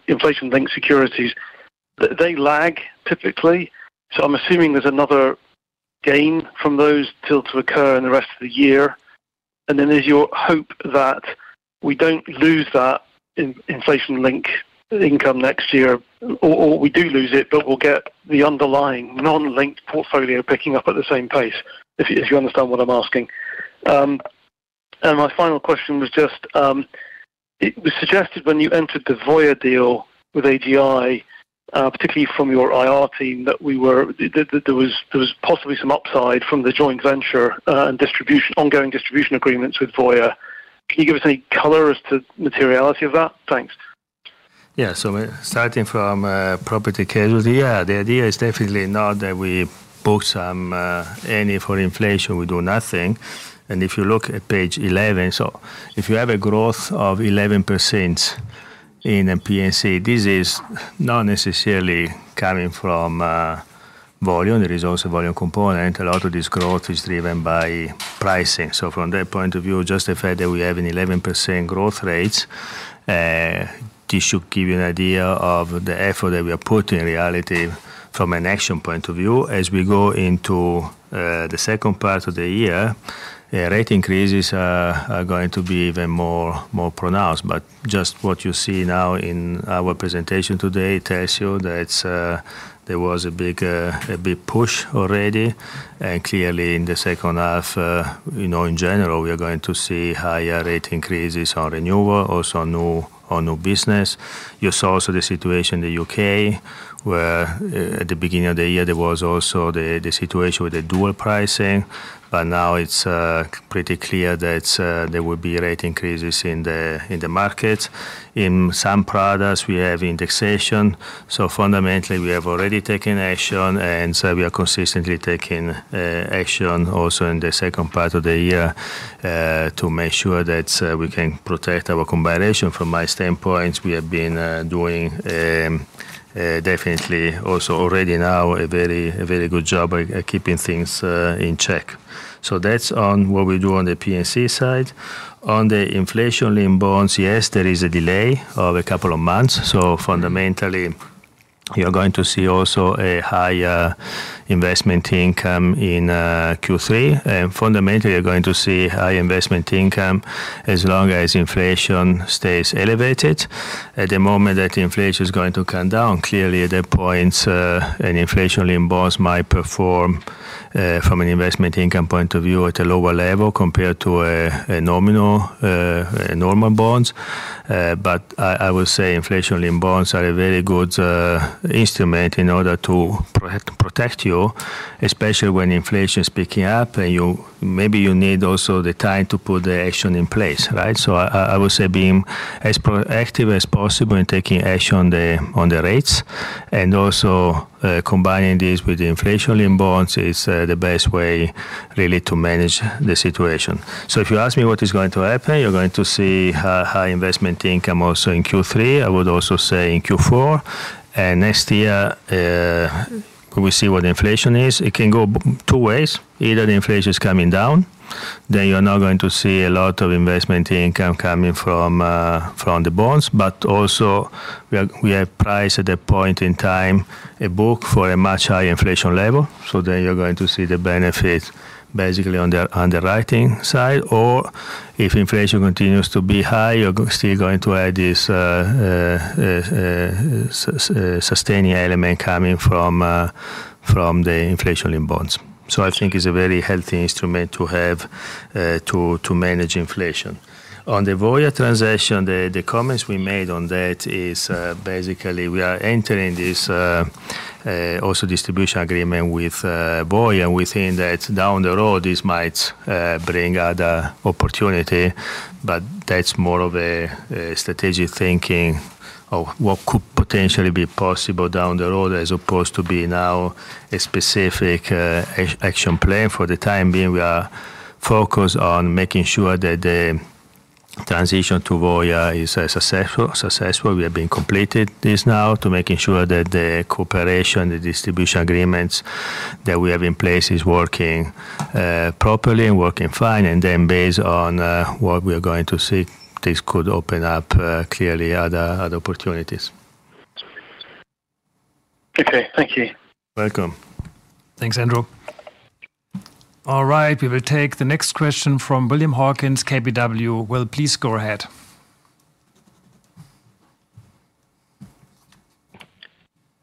S6: inflation-linked securities. They lag typically, so I'm assuming there's another gain from those still to occur in the rest of the year. There's your hope that we don't lose that inflation-linked income next year, or we do lose it, but we'll get the underlying non-linked portfolio picking up at the same pace. If you understand what I'm asking. My final question was just, it was suggested when you entered the Voya deal with AGI, particularly from your IR team, that there was possibly some upside from the joint venture, and ongoing distribution agreements with Voya. Can you give us any color as to materiality of that? Thanks.
S2: Starting from property casualty, yeah, the idea is definitely not that we book some money for inflation. We do nothing. If you look at page 11, if you have a growth of 11% in P&C, this is not necessarily coming from volume. There is also volume component. A lot of this growth is driven by pricing. From that point of view, just the fact that we have a 11% growth rate, this should give you an idea of the effort that we are putting in reality from an action point of view. As we go into the second part of the year, rate increases are going to be even more pronounced. Just what you see now in our presentation today tells you that there was a big push already. Clearly in the second half, you know, in general, we are going to see higher rate increases on renewal, also on new business. You saw also the situation in the U.K., where at the beginning of the year, there was also the situation with the dual pricing. Now it's pretty clear that there will be rate increases in the market. In some products, we have indexation. Fundamentally, we have already taken action. We are consistently taking action also in the second part of the year to make sure that we can protect our combined ratio. From my standpoint, we have been doing definitely also already now a very good job by keeping things in check. That's on what we do on the P&C side. On the inflation-linked bonds, yes, there is a delay of a couple of months. Fundamentally, you're going to see also a higher investment income in Q3. Fundamentally, you're going to see high investment income as long as inflation stays elevated. At the moment that inflation is going to come down, clearly at that point, an inflation-linked bonds might perform from an investment income point of view at a lower level compared to a nominal bonds. I would say inflation-linked bonds are a very good instrument in order to protect you, especially when inflation is picking up and you maybe need also the time to put the action in place, right? I would say being as proactive as possible in taking action on the rates and also combining this with the inflation-linked bonds is the best way really to manage the situation. If you ask me what is going to happen, you're going to see high investment income also in Q3. I would also say in Q4. Next year, we see what inflation is. It can go two ways. Either the inflation is coming down, then you're now going to see a lot of investment income coming from the bonds. But also we have priced at a point in time a book for a much higher inflation level. Then you're going to see the benefit basically on the writing side. If inflation continues to be high, you're still going to have this sustaining element coming from the inflation-linked bonds. I think it's a very healthy instrument to have to manage inflation. On the Voya transaction, the comments we made on that is basically we are entering this a distribution agreement with Voya, and we think that down the road, this might bring other opportunity. That's more of a strategic thinking of what could potentially be possible down the road as opposed to be now a specific action plan. For the time being, we are focused on making sure that the transition to Voya is successful. We have been completing this now to making sure that the cooperation, the distribution agreements that we have in place is working properly and working fine. Based on what we are going to see, this could open up clearly other opportunities.
S6: Okay, thank you.
S2: Welcome.
S1: Thanks, Andrew. All right, we will take the next question from William Hawkins, KBW. Will, please go ahead.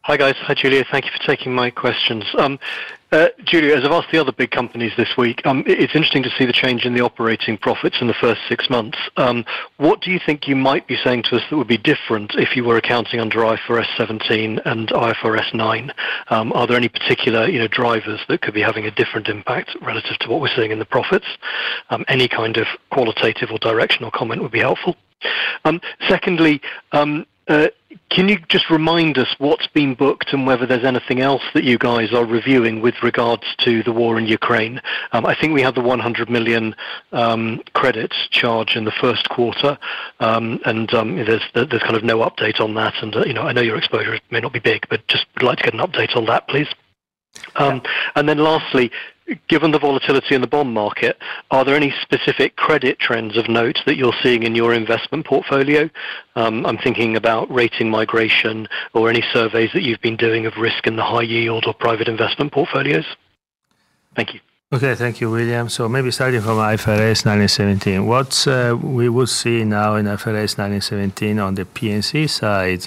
S7: Hi, guys. Hi, Giulio. Thank you for taking my questions. Giulio, as I've asked the other big companies this week, it's interesting to see the change in the operating profits in the first six months. What do you think you might be saying to us that would be different if you were accounting under IFRS 17 and IFRS 9? Are there any particular, you know, drivers that could be having a different impact relative to what we're seeing in the profits? Any kind of qualitative or directional comment would be helpful. Secondly, can you just remind us what's been booked and whether there's anything else that you guys are reviewing with regards to the war in Ukraine? I think we have the 100 million credits charge in the first quarter. There's kind of no update on that. You know, I know your exposure may not be big, but just like to get an update on that, please. Lastly, given the volatility in the bond market, are there any specific credit trends of note that you're seeing in your investment portfolio? I'm thinking about rating migration or any surveys that you've been doing of risk in the high yield or private investment portfolios. Thank you.
S2: Okay. Thank you, William. Maybe starting from IFRS 9 and IFRS 17. What we will see now in IFRS 9 and IFRS 17 on the P&C side.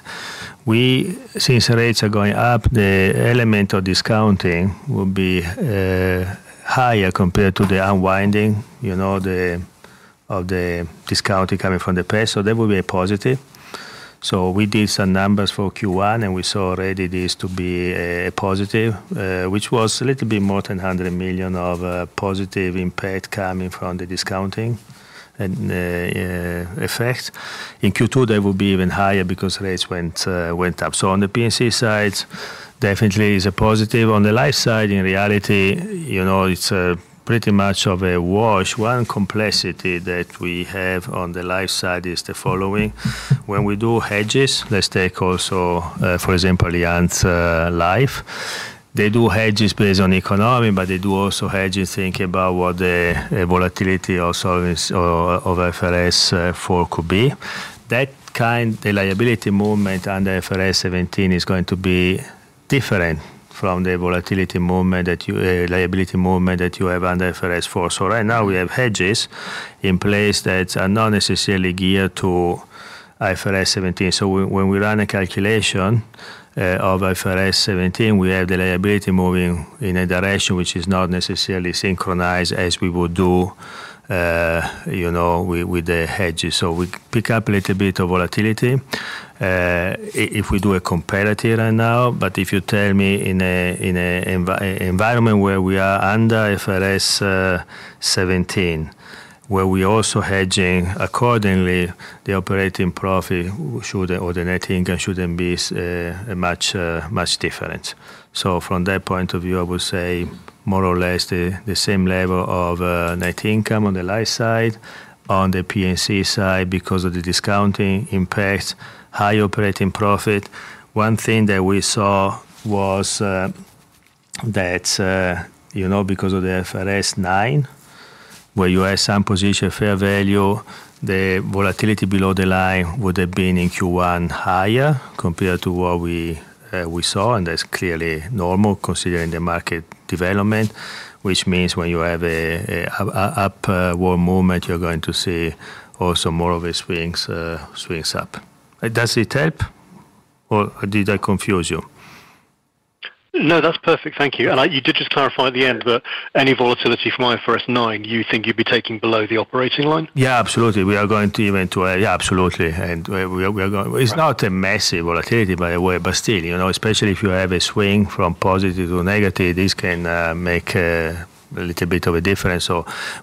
S2: Since rates are going up, the element of discounting will be higher compared to the unwinding, you know, the of the discounting coming from the past. That will be a positive. We did some numbers for Q1, and we saw already this to be a positive, which was a little bit more than 100 million of positive impact coming from the discounting and effect. In Q2, that will be even higher because rates went up. On the P&C side, definitely is a positive. On the life side, in reality, you know, it's pretty much of a wash. One complexity that we have on the life side is the following. When we do hedges, let's take also, for example, the Allianz Life. They do hedges based on economy, but they do also hedges thinking about what the volatility of reserves or of IFRS 4 could be. The liability movement under IFRS 17 is going to be different from the liability movement that you have under IFRS 4. Right now we have hedges in place that are not necessarily geared to IFRS 17. When we run a calculation of IFRS 17, we have the liability moving in a direction which is not necessarily synchronized as we would do, you know, with the hedges. We pick up a little bit of volatility, if we do a comparative right now. If you tell me in an environment where we are under IFRS 17, where we're also hedging accordingly the operating profit should or the net income shouldn't be much different. From that point of view, I would say more or less the same level of net income on the life side. On the P&C side, because of the discounting impacts high operating profit. One thing that we saw was that you know because of the IFRS 9, where you have some position fair value, the volatility below the line would have been in Q1 higher compared to what we saw, and that's clearly normal considering the market development. Which means when you have an upward momentum, you're going to see also more of a swings up. Does it help or did I confuse you?
S7: No, that's perfect. Thank you. You did just clarify at the end that any volatility from IFRS 9, you think you'd be taking below the operating line?
S2: Yeah, absolutely. Yeah, absolutely. It's not a massive volatility by the way, but still, you know, especially if you have a swing from positive to negative, this can make a little bit of a difference.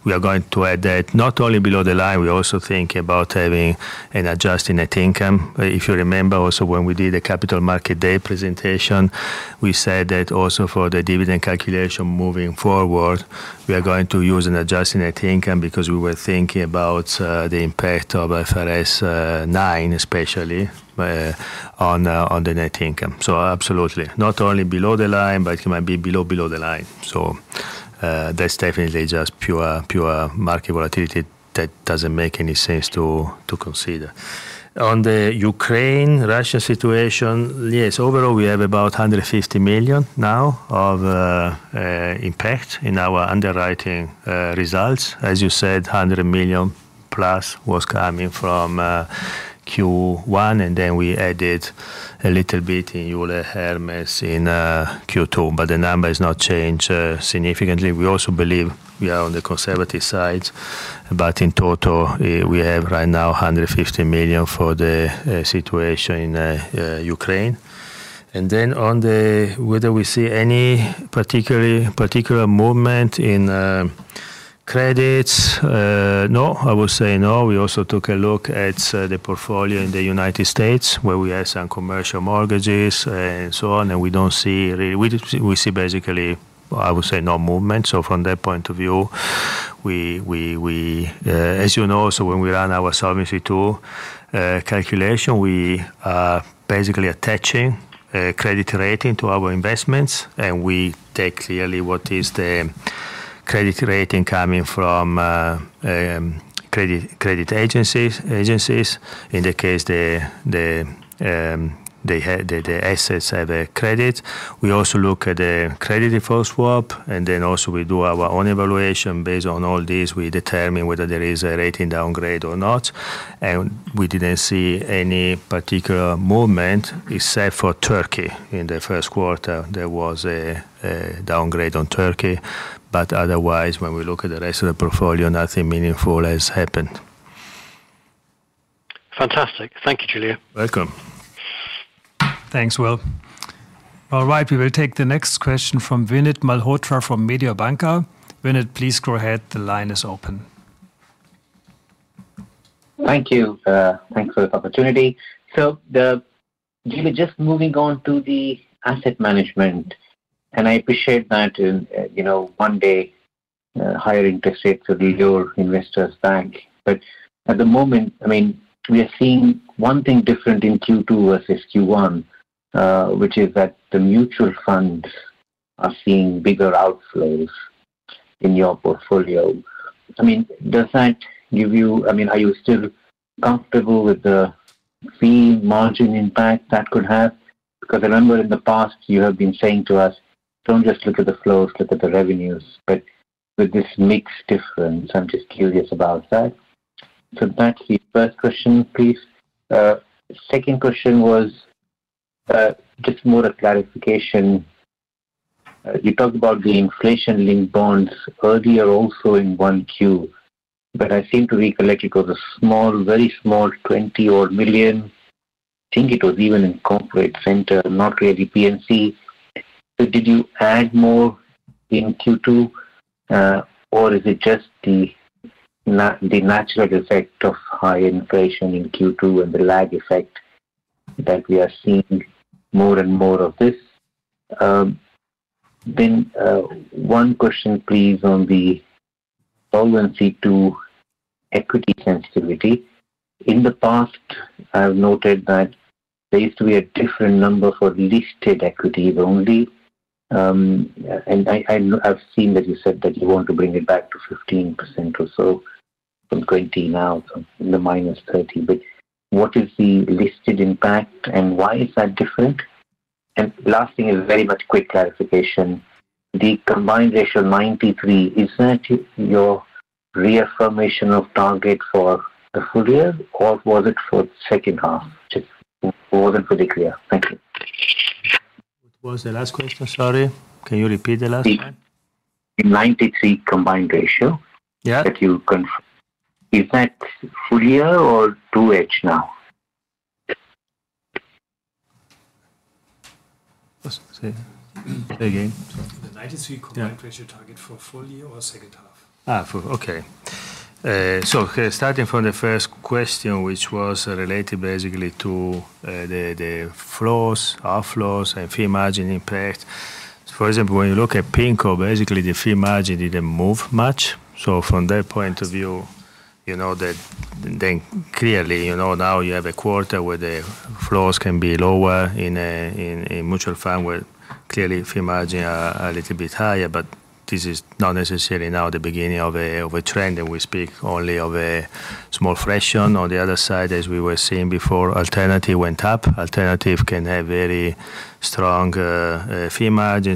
S2: We are going to add that not only below the line, we also think about having an adjusted net income. If you remember also when we did a Capital Market Day presentation, we said that also for the dividend calculation moving forward, we are going to use an adjusted net income because we were thinking about the impact of IFRS 9 especially on the net income. Absolutely. Not only below the line, but it might be below the line. That's definitely just pure market volatility that doesn't make any sense to consider. On the Ukraine-Russia situation, yes, overall we have about 150 million now of impact in our underwriting results. As you said, 100 million+ was coming from Q1, and then we added a little bit in Euler Hermes in Q2, but the number has not changed significantly. We also believe we are on the conservative side, but in total, we have right now 150 million for the situation in Ukraine. On whether we see any particular movement in credits, no. I will say no. We also took a look at the portfolio in the United States, where we have some commercial mortgages and so on, and we don't see really. We see basically, I would say no movement. From that point of view, as you know, when we run our Solvency tool calculation, we are basically attaching a credit rating to our investments, and we take clearly what is the credit rating coming from, credit agencies. In the case the assets have a credit. We also look at the credit default swap, and then also we do our own evaluation. Based on all this, we determine whether there is a rating downgrade or not. We didn't see any particular movement except for Turkey. In the first quarter, there was a downgrade on Turkey, but otherwise, when we look at the rest of the portfolio, nothing meaningful has happened.
S7: Fantastic. Thank you, Giulio.
S2: Welcome.
S1: Thanks, Will. All right, we will take the next question from Vinit Malhotra from Mediobanca. Vinit, please go ahead. The line is open.
S8: Thank you. Thanks for the opportunity. Giulio, just moving on to the asset management, and I appreciate that, you know, one day, higher interest rates will be your investors' bank. At the moment, I mean, we are seeing one thing different in Q2 versus Q1, which is that the mutual funds are seeing bigger outflows in your portfolio. I mean, does that give you? I mean, are you still comfortable with the fee margin impact that could have? Because I remember in the past you have been saying to us, "Don't just look at the flows, look at the revenues." With this mix difference, I'm just curious about that. That's the first question, please. Second question was, just more a clarification. You talked about the inflation-linked bonds earlier in 1Q, but I seem to recollect it was a small, very small, 20 million. I think it was even in corporate center, not really P&C. Did you add more in Q2, or is it just the natural effect of high inflation in Q2 and the lag effect that we are seeing more and more of this? One question please on the Solvency to equity sensitivity. In the past, I've noted that there used to be a different number for listed equities only, and I know. I've seen that you said that you want to bring it back to 15% or so from 20% now, so in the -30. What is the listed impact and why is that different? Last thing is very much quick clarification. The combined ratio 93%, is that your reaffirmation of target for the full year, or was it for second half? Just wasn't pretty clear. Thank you.
S2: What was the last question? Sorry. Can you repeat the last one?
S8: The 93% combined ratio.
S2: Yeah.
S8: Is that full year or 2H now?
S2: Say again, sorry.
S8: The 93% combined ratio target for full year or second half?
S2: Starting from the first question, which was related basically to the flows, outflows and fee margin impact. For example, when you look at PIMCO, basically the fee margin didn't move much. From that point of view, you know that then clearly, you know, now you have a quarter where the flows can be lower in a mutual fund where clearly fee margin are a little bit higher, but this is not necessarily now the beginning of a trend, and we speak only of a small fraction. On the other side, as we were seeing before, alternative went up. Alternative can have very strong fee margin.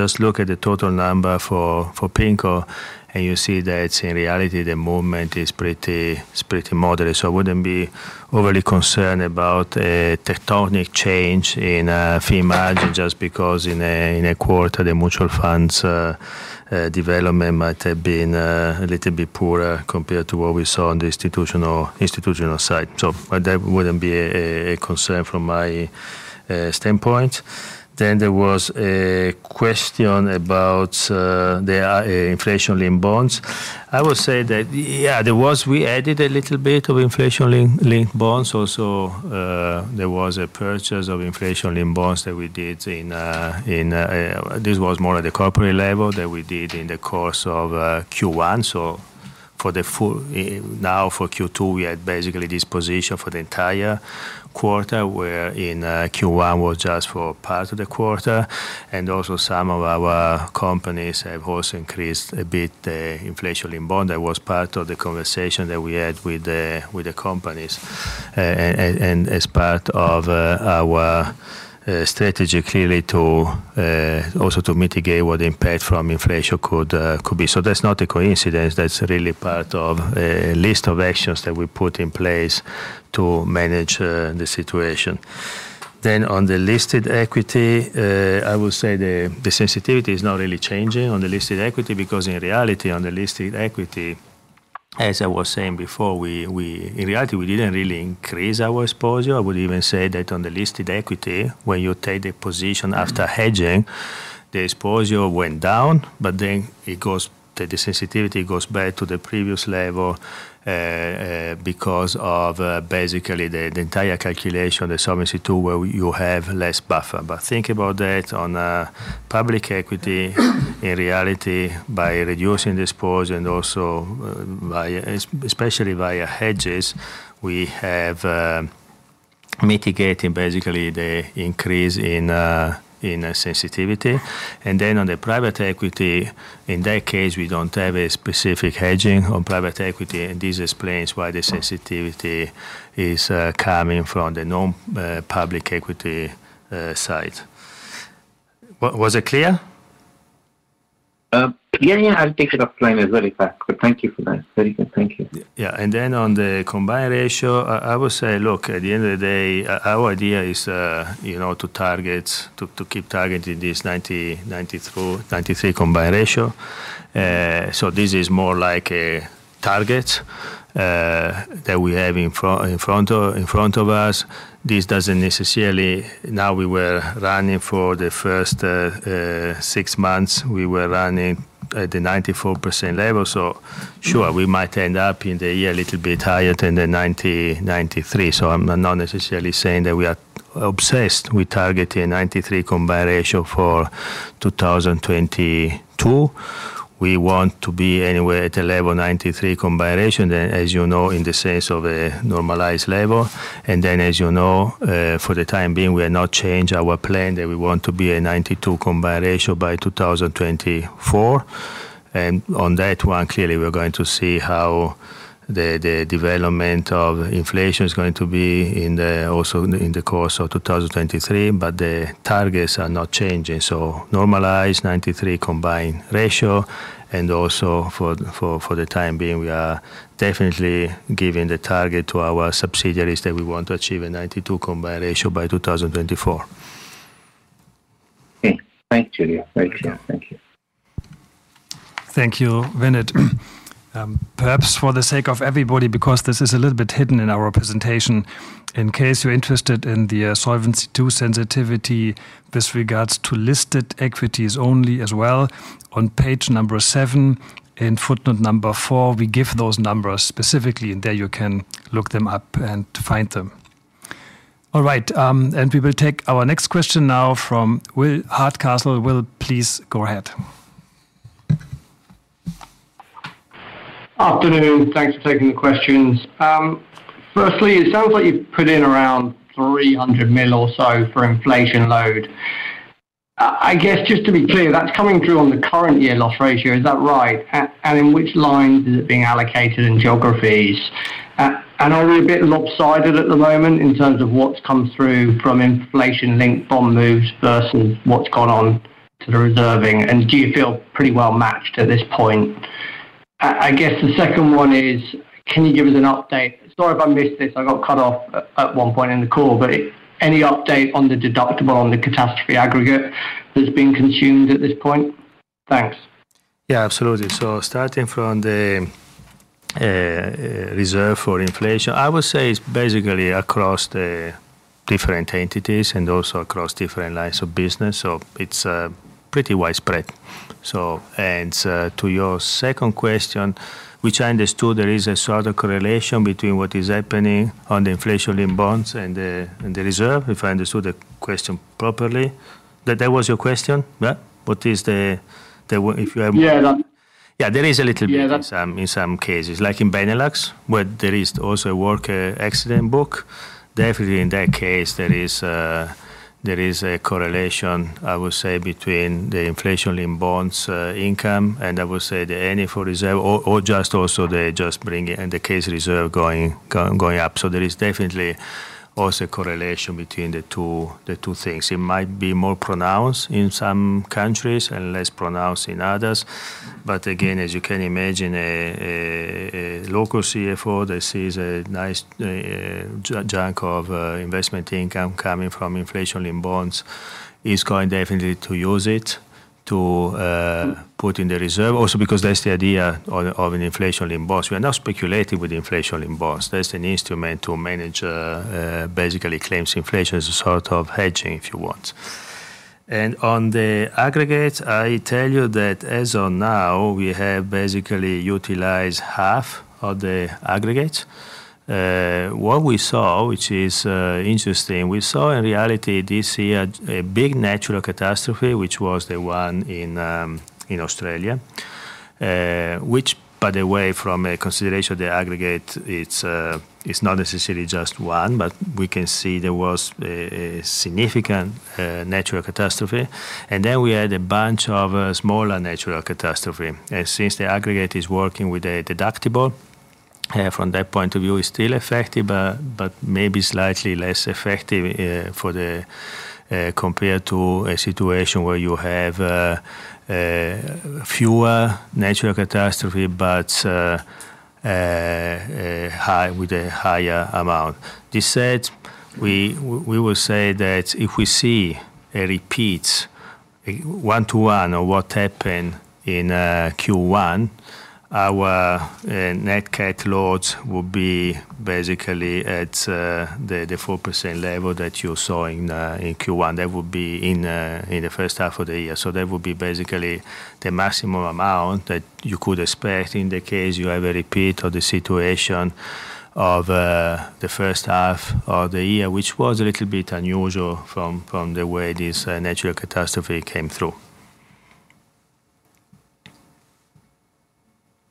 S2: Just look at the total number for PIMCO and you see that in reality the movement is pretty moderate. I wouldn't be overly concerned about a tectonic change in fee margin just because in a quarter the mutual funds development might have been a little bit poorer compared to what we saw on the institutional side. That wouldn't be a concern from my standpoint. There was a question about the inflation-linked bonds. I would say that yeah, there was. We added a little bit of inflation-linked bonds. Also, there was a purchase of inflation-linked bonds that we did in this was more at the corporate level that we did in the course of Q1. For the full now for Q2, we had basically this position for the entire quarter, where in Q1 was just for part of the quarter. Some of our companies have also increased a bit inflation-linked bond. That was part of the conversation that we had with the companies and as part of our strategy clearly to also mitigate what impact from inflation could be. That's not a coincidence. That's really part of a list of actions that we put in place to manage the situation. On the listed equity, I would say the sensitivity is not really changing on the listed equity because in reality, on the listed equity, as I was saying before, in reality, we didn't really increase our exposure. I would even say that on the listed equity, when you take the position after hedging, the exposure went down, but then it goes, the sensitivity goes back to the previous level because of basically the entire calculation, the Solvency tool, where you have less buffer. Think about that on public equity in reality by reducing the exposure and also especially via hedges, we have mitigating basically the increase in sensitivity. On the private equity, in that case, we don't have a specific hedging on private equity, and this explains why the sensitivity is coming from the non-public equity side. Was it clear?
S8: Yeah, yeah. I'll take it offline as well. In fact, thank you for that. Very good. Thank you.
S2: Yeah. On the combined ratio, I will say, look, at the end of the day, our idea is, you know, to target to keep targeting this 90%, 94%, 93% combined ratio. This is more like a target that we have in front of us. This doesn't necessarily. Now we were running for the first six months, we were running at the 94% level, so sure, we might end up in the year a little bit higher than the 90%, 93%. I'm not necessarily saying that we are obsessed with targeting 93% combined ratio for 2022. We want to be anywhere at the level 93% combined ratio then, as you know, in the sense of a normalized level. As you know, for the time being, we have not changed our plan that we want to be a 92% combined ratio by 2024. On that one, clearly, we're going to see how the development of inflation is going to be also in the course of 2023, but the targets are not changing. Normalized 93% combined ratio and also for the time being, we are definitely giving the target to our subsidiaries that we want to achieve a 92% combined ratio by 2024.
S8: Okay. Thanks, Giulio. Thank you. Thank you.
S2: Yeah.
S1: Thank you, Vinit. Perhaps for the sake of everybody, because this is a little bit hidden in our presentation. In case you're interested in the Solvency II sensitivity, this regards to listed equities only as well. On page seven, in footnote four, we give those numbers specifically, and there you can look them up and find them. All right, we will take our next question now from William Hardcastle. Will, please go ahead.
S9: Afternoon. Thanks for taking the questions. Firstly, it sounds like you've put in around 300 million or so for inflation load. I guess just to be clear, that's coming through on the current year loss ratio, is that right? And in which lines is it being allocated in geographies? And are we a bit lopsided at this point in terms of what's come through from inflation-linked bond moves versus what's gone on to the reserving? And do you feel pretty well matched at this point? I guess the second one is, can you give us an update? Sorry if I missed this, I got cut off at one point in the call. Any update on the deductible on the catastrophe aggregate that's been consumed at this point? Thanks.
S2: Yeah, absolutely. Starting from the reserve for inflation, I would say it's basically across the different entities and also across different lines of business. It's pretty widespread. And to your second question, which I understood there is a sort of correlation between what is happening on the inflation in bonds and the reserve, if I understood the question properly. That was your question, yeah?
S9: Yeah, that.
S2: Yeah, there is a little bit.
S9: Yeah, that.
S2: In some cases. Like in Benelux, where there is also a work accident book. Definitely in that case, there is a correlation, I would say, between the inflation-linked bonds income, and I would say the annual reserve or just also the case reserve going up. There is definitely also a correlation between the two things. It might be more pronounced in some countries and less pronounced in others. Again, as you can imagine, a local CFO that sees a nice chunk of investment income coming from inflation-linked bonds is definitely going to use it to put in the reserve. Also, because that's the idea of inflation-linked bonds. We are not speculating with inflation-linked bonds. That's an instrument to manage, basically claims inflation as a sort of hedging, if you want. On the aggregate, I tell you that as of now, we have basically utilized half of the aggregate. What we saw, which is interesting, we saw in reality this year a big natural catastrophe, which was the one in Australia. Which by the way, from a consideration of the aggregate, it's not necessarily just one, but we can see there was a significant natural catastrophe. Then we had a bunch of smaller natural catastrophe. Since the aggregate is working with a deductible, from that point of view, it's still effective, but maybe slightly less effective for them, compared to a situation where you have fewer natural catastrophes but with a higher amount. That said, we will say that if we see a repeat one-to-one of what happened in Q1, our net CAT loads will be basically at the 4% level that you saw in Q1. That would be in the first half of the year. That would be basically the maximum amount that you could expect in the case you have a repeat of the situation of the first half of the year, which was a little bit unusual from the way this natural catastrophe came through.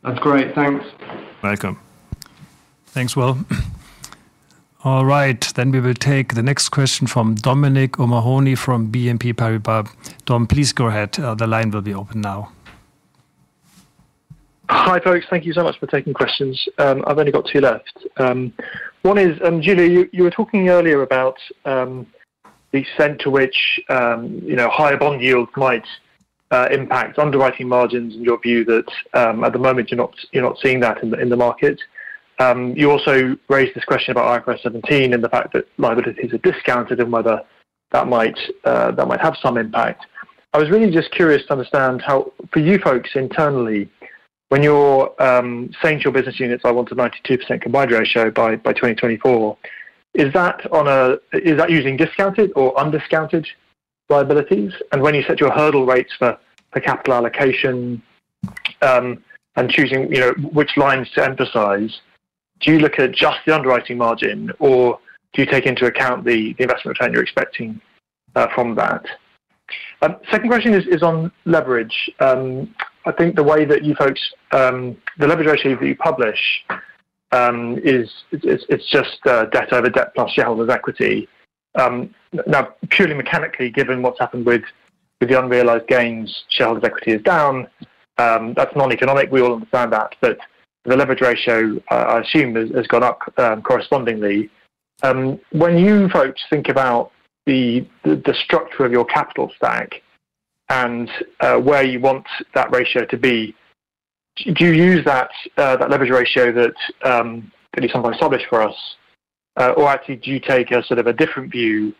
S9: That's great. Thanks.
S2: Welcome.
S1: Thanks, Will. All right, we will take the next question from Dominic O'Mahony from BNP Paribas. Dom, please go ahead. The line will be open now.
S10: Hi, folks. Thank you so much for taking questions. I've only got two left. One is, Giulio, you were talking earlier about the extent to which, you know, higher bond yields might impact underwriting margins and your view that, at the moment you're not seeing that in the market. You also raised this question about IFRS 17 and the fact that liabilities are discounted and whether that might have some impact. I was really just curious to understand how for you folks internally, when you're saying to your business units, "I want a 92% combined ratio by 2024," is that using discounted or undiscounted liabilities? When you set your hurdle rates for the capital allocation and choosing, you know, which lines to emphasize, do you look at just the underwriting margin or do you take into account the investment return you're expecting from that? Second question is on leverage. I think the way that you folks the leverage ratio that you publish is just debt over debt plus shareholders' equity. Now purely mechanically, given what's happened with the unrealized gains, shareholders' equity is down. That's non-economic. We all understand that. The leverage ratio I assume has gone up correspondingly. When you folks think about the structure of your capital stack and where you want that ratio to be, do you use that leverage ratio that you sometimes publish for us? Actually do you take a sort of a different view,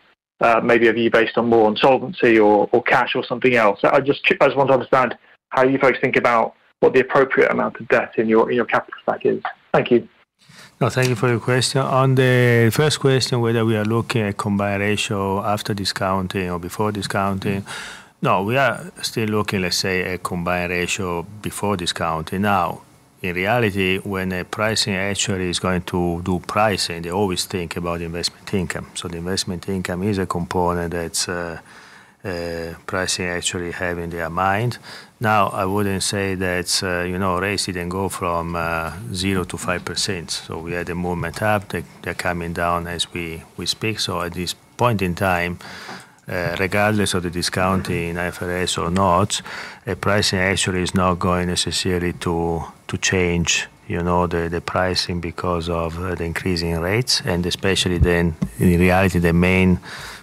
S10: maybe a view based more on Solvency or cash or something else? I just want to understand how you folks think about what the appropriate amount of debt in your capital stack is? Thank you.
S2: No, thank you for your question. On the first question, whether we are looking at combined ratio after discounting or before discounting. No, we are still looking, let's say, at combined ratio before discounting. Now, in reality, when a pricing actuary is going to do pricing, they always think about investment income. So the investment income is a component that's pricing actuary have in their mind. Now, I wouldn't say that, you know, rates didn't go from 0%-5%. So we had a movement up. They're coming down as we speak. At this point in time, regardless of the discounting IFRS or not, a pricing actuary is not going necessarily to change, you know, the pricing because of the increasing rates, and especially then in reality the main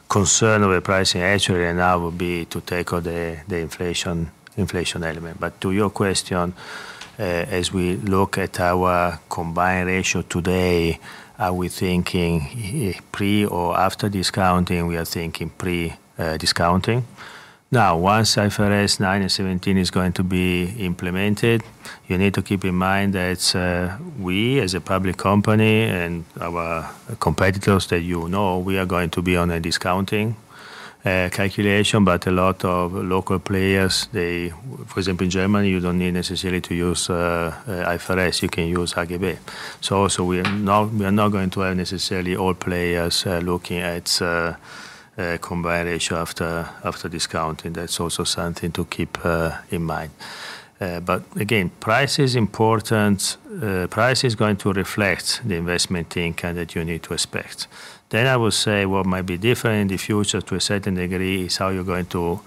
S2: concern of a pricing actuary now will be to take out the inflation element. To your question, as we look at our combined ratio today, are we thinking pre or after discounting? We are thinking pre discounting. Now, once IFRS 9 and IFRS 17 is going to be implemented, you need to keep in mind that, we as a public company and our competitors that you know, we are going to be on a discounting calculation. A lot of local players, they, for example, in Germany, you don't need necessarily to use IFRS, you can use HGB. We are not going to have necessarily all players looking at combined ratio after discounting. That's also something to keep in mind. Again, price is important. Price is going to reflect the investment income that you need to expect. I will say what might be different in the future to a certain degree is how you're going to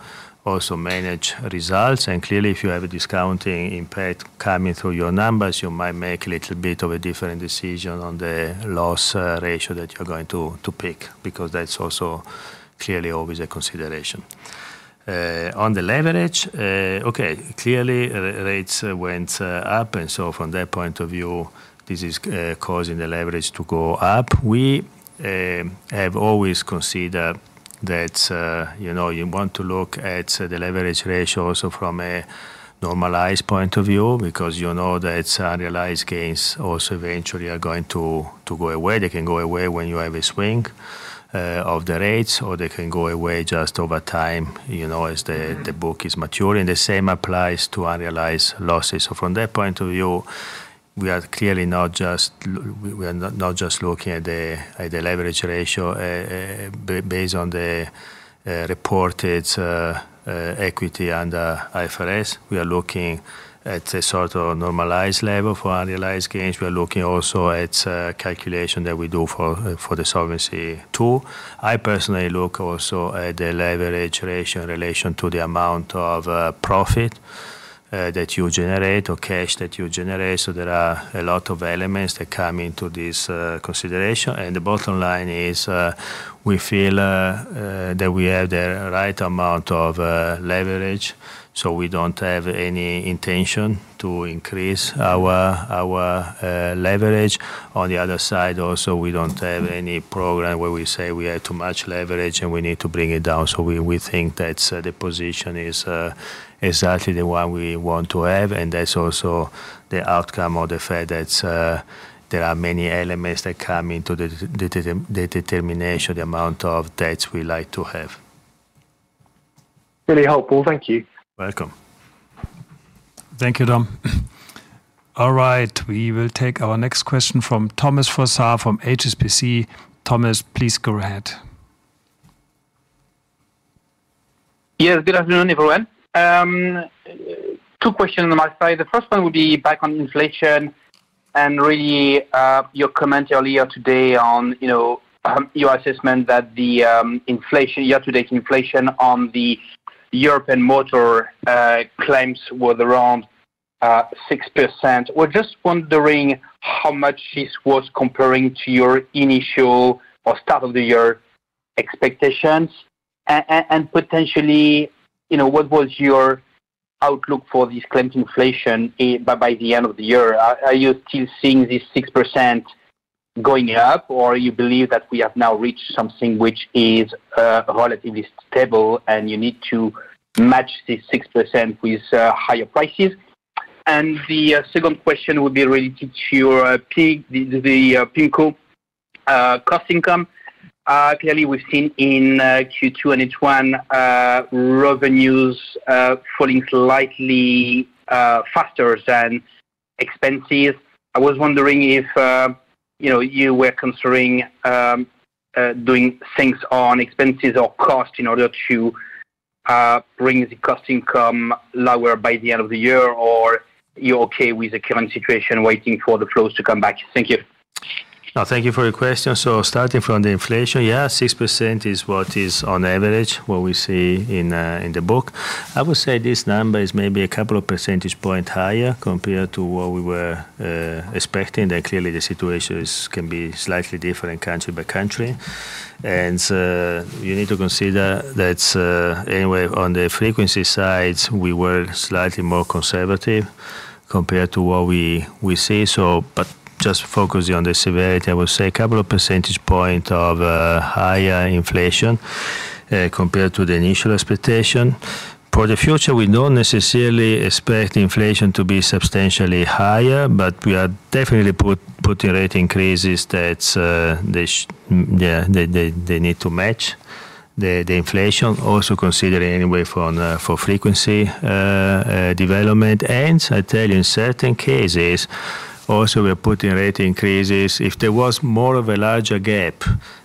S2: also manage results. Clearly, if you have a discounting impact coming through your numbers, you might make a little bit of a different decision on the loss ratio that you're going to pick, because that's also clearly always a consideration. On the leverage. Okay. Clearly rates went up, and so from that point of view, this is causing the leverage to go up. We have always considered that, you know, you want to look at the leverage ratio also from a normalized point of view because you know that realized gains also eventually are going to go away. They can go away when you have a swing of the rates, or they can go away just over time, you know, as the book is maturing. The same applies to unrealized losses. From that point of view, we are clearly not just looking at the leverage ratio based on the reported equity under IFRS. We are looking at a sort of normalized level for unrealized gains. We are looking also at calculation that we do for the Solvency tool. I personally look also at the leverage ratio in relation to the amount of, profit, that you generate or cash that you generate. There are a lot of elements that come into this, consideration. The bottom line is, we feel, that we have the right amount of, leverage, so we don't have any intention to increase our leverage. On the other side also, we don't have any program where we say we had too much leverage and we need to bring it down. We think that, the position is, exactly the one we want to have, and that's also the outcome of the fact that, there are many elements that come into the the determination, the amount of debts we like to have.
S10: Really helpful. Thank you.
S2: Welcome.
S1: Thank you, Dom. All right, we will take our next question from Thomas Fossard from HSBC. Thomas, please go ahead.
S11: Yes. Good afternoon, everyone. Two questions on my side. The first one would be back on inflation and really, your comment earlier today on, you know, your assessment that the inflation, year-to-date inflation on the European motor claims were around 6%. We're just wondering how much this was comparing to your initial or start of the year expectations? And potentially, you know, what was your outlook for this claims inflation by the end of the year? Are you still seeing this 6% going up, or you believe that we have now reached something which is relatively stable and you need to match this 6% with higher prices? And the second question would be related to your PIMCO, the PIMCO cost income. Clearly we've seen in Q2 and H1 revenues falling slightly faster than expenses. I was wondering if you know you were considering doing things on expenses or cost in order to bring the cost income lower by the end of the year or you're okay with the current situation, waiting for the flows to come back? Thank you.
S2: No, thank you for your question. Starting from the inflation, yeah, 6% is what is on average what we see in the book. I would say this number is maybe a couple of percentage point higher compared to what we were expecting, and clearly the situation can be slightly different country by country. You need to consider that anyway, on the frequency side, we were slightly more conservative compared to what we see. But just focusing on the severity, I will say a couple of percentage point of higher inflation compared to the initial expectation. For the future, we don't necessarily expect inflation to be substantially higher, but we are definitely putting rate increases that they need to match the inflation. Considering anyway from for frequency development. I tell you in certain cases also we're putting rate increases. If there was more of a larger gap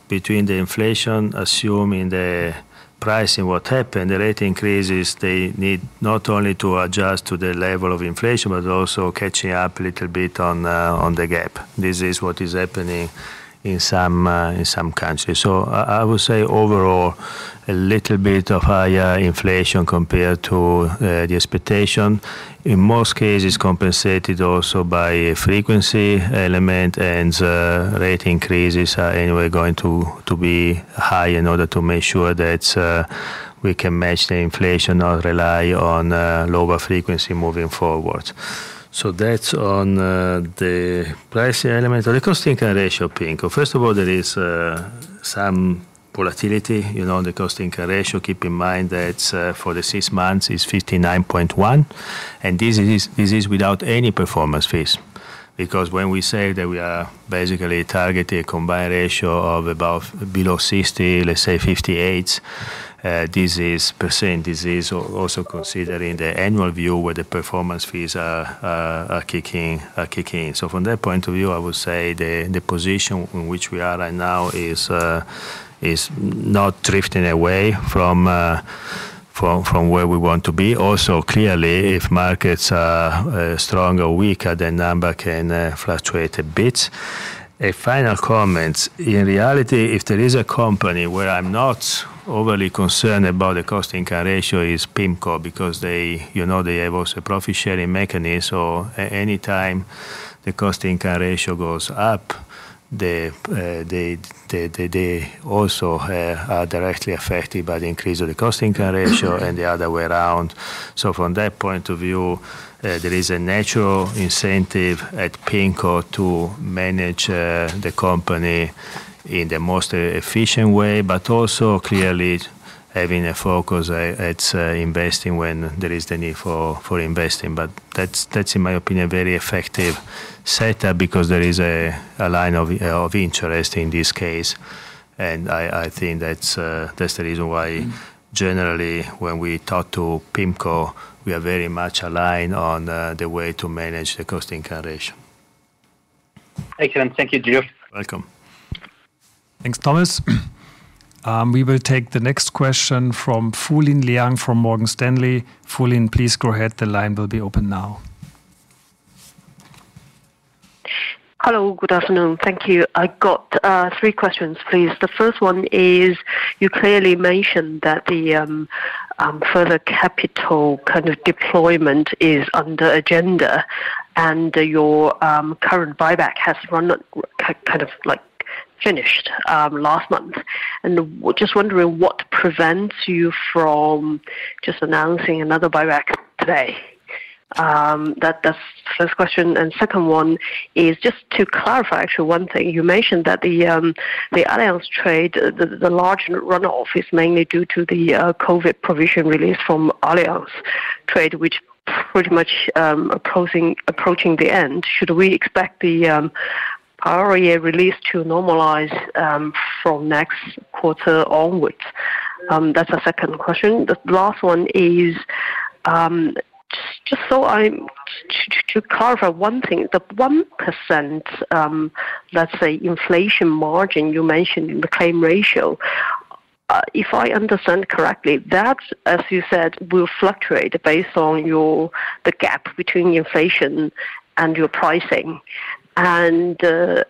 S2: between the inflation assumed in the pricing and what happened, the rate increases they need not only to adjust to the level of inflation but also catching up a little bit on the gap. This is what is happening in some countries. I would say overall a little bit of higher inflation compared to the expectation. In most cases compensated also by frequency element and rate increases are anyway going to be high in order to make sure that we can match the inflation or rely on lower frequency moving forward. That's on the price element. On the cost income ratio of PIMCO. First of all, there is some volatility, you know, on the cost income ratio. Keep in mind that for the six months it's 59.1%, and this is without any performance fees. Because when we say that we are basically targeting a combined ratio of about below 60%, let's say 58, this is percentage, this is also considering the annual view where the performance fees are kicking in. So from that point of view, I would say the position in which we are right now is not drifting away from where we want to be. Also, clearly, if markets are strong or weaker, the number can fluctuate a bit. A final comment. In reality, if there is a company where I'm not overly concerned about the cost income ratio, is PIMCO because they, you know, have also profit-sharing mechanism. Anytime the cost income ratio goes up, they also are directly affected by the increase of the cost income ratio and the other way around. From that point of view, there is a natural incentive at PIMCO to manage the company in the most efficient way, but also clearly having a focus at investing when there is the need for investing. That's in my opinion, a very effective setup because there is a line of interest in this case. I think that's the reason why generally when we talk to PIMCO, we are very much aligned on the way to manage the cost income ratio.
S11: Excellent. Thank you, Giulio Terzariol.
S2: Welcome.
S1: Thanks, Thomas. We will take the next question from Fulin Liang from Morgan Stanley. Fulin, please go ahead. The line will be open now.
S12: Hello, good afternoon. Thank you. I got three questions, please. The first one is, you clearly mentioned that the further capital kind of deployment is on the agenda and your current buyback has run kind of like finished last month. Just wondering what prevents you from just announcing another buyback today? That's the first question. Second one is just to clarify actually one thing. You mentioned that the Allianz Trade, the large runoff is mainly due to the COVID provision release from Allianz Trade, which pretty much approaching the end. Should we expect the PYD release to normalize from next quarter onwards? That's the second question. The last one is just so I'm clear, to cover one thing, the 1%, let's say inflation margin you mentioned in the claim ratio, if I understand correctly, that, as you said, will fluctuate based on the gap between inflation and your pricing. When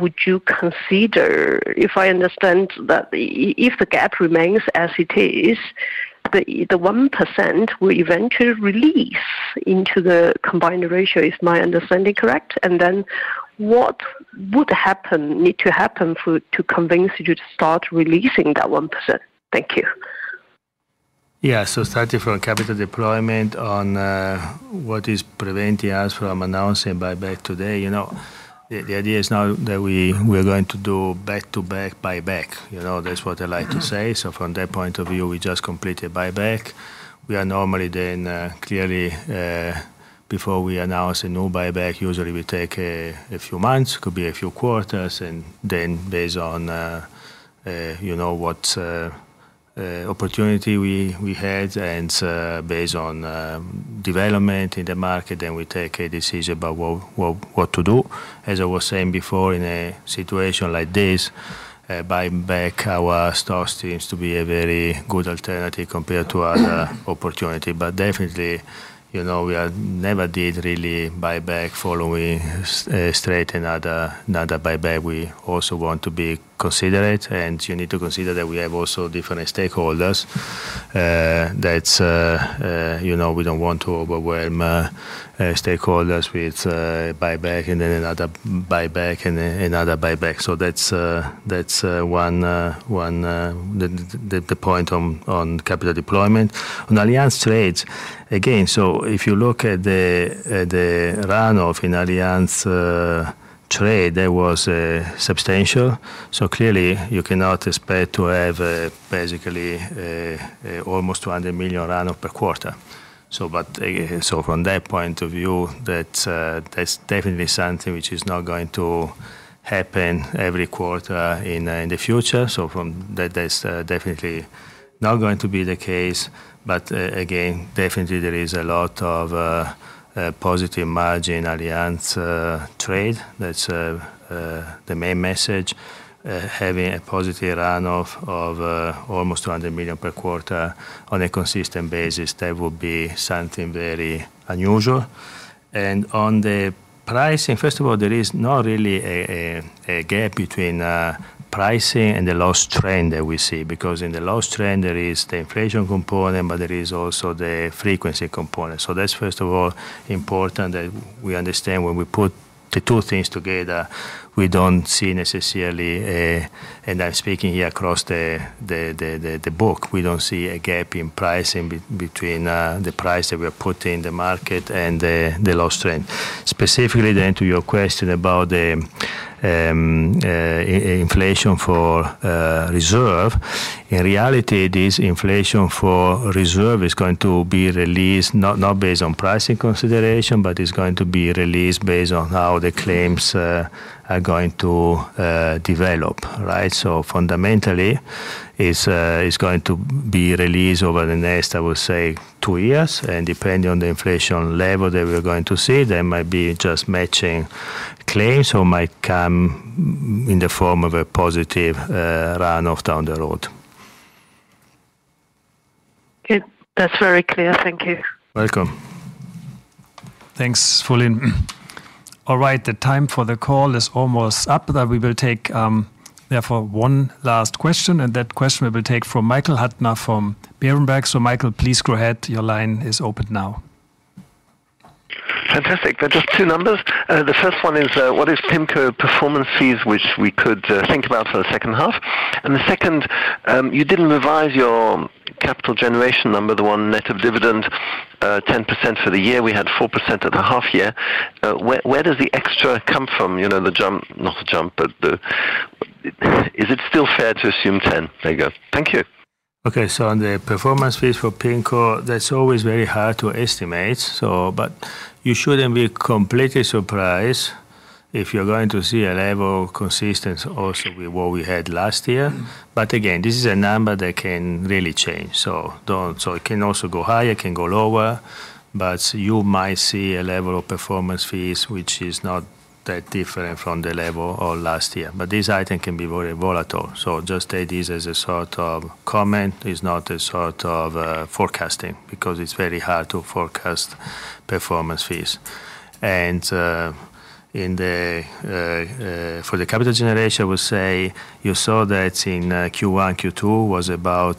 S12: would you consider, if I understand that if the gap remains as it is, the 1% will eventually release into the combined ratio? Is my understanding correct? What would need to happen to convince you to start releasing that 1%? Thank you.
S2: Yeah. Starting from capital deployment on, what is preventing us from announcing buyback today? You know, the idea is now that we are going to do back-to-back buyback. You know, that's what I like to say. From that point of view we just completed buyback. We are normally then clearly before we announce a new buyback, usually we take a few months, could be a few quarters. Then based on you know, what opportunity we had and based on development in the market, then we take a decision about what to do. As I was saying before, in a situation like this, buying back our stocks seems to be a very good alternative compared to other opportunity. Definitely, you know, we never did really buyback following straight another buyback. We also want to be considerate, and you need to consider that we have also different stakeholders, that you know we don't want to overwhelm stakeholders with buyback and then another buyback and another buyback. That's one, the point on capital deployment. On Allianz Trade, again, if you look at the runoff in Allianz Trade, that was substantial. Clearly you cannot expect to have basically almost 200 million runoff per quarter. But from that point of view, that's definitely something which is not going to happen every quarter in the future. From that's definitely not going to be the case. Again, definitely there is a lot of positive margin Allianz Trade. That's the main message. Having a positive runoff of almost 200 million per quarter on a consistent basis, that would be something very unusual. On the pricing, first of all, there is not really a gap between pricing and the loss trend that we see. Because in the loss trend there is the inflation component, but there is also the frequency component. That's first of all important that we understand when we put the two things together, we don't see necessarily a. I'm speaking here across the book. We don't see a gap in pricing between the price that we are putting in the market and the loss trend. Specifically then to your question about the inflation for reserve. In reality, this inflation for reserve is going to be released not based on pricing consideration, but it's going to be released based on how the claims are going to develop, right? Fundamentally, it's going to be released over the next, I would say two years. Depending on the inflation level that we are going to see, there might be just matching claims or might come in the form of a positive runoff down the road.
S12: Good. That's very clear. Thank you.
S2: Welcome.
S1: Thanks, Fulin Liang. All right, the time for the call is almost up, but we will take, therefore one last question, and that question we will take from Michael Huttner from Berenberg. Michael, please go ahead. Your line is open now.
S4: Fantastic. There are just two numbers. The first one is, what is PIMCO performance fees, which we could think about for the second half. The second, you didn't revise your capital generation number, the one net of dividend, 10% for the year. We had 4% at the half year. Where does the extra come from? You know, is it still fair to assume 10%? There you go. Thank you.
S2: Okay. On the performance fees for PIMCO, that's always very hard to estimate, but you shouldn't be completely surprised if you're going to see a level consistent also with what we had last year. Again, this is a number that can really change. It can also go higher, it can go lower, but you might see a level of performance fees which is not that different from the level of last year. This item can be very volatile. Just take this as a sort of comment. It's not a sort of forecasting because it's very hard to forecast performance fees. For the capital generation, I would say you saw that in Q1, Q2 was about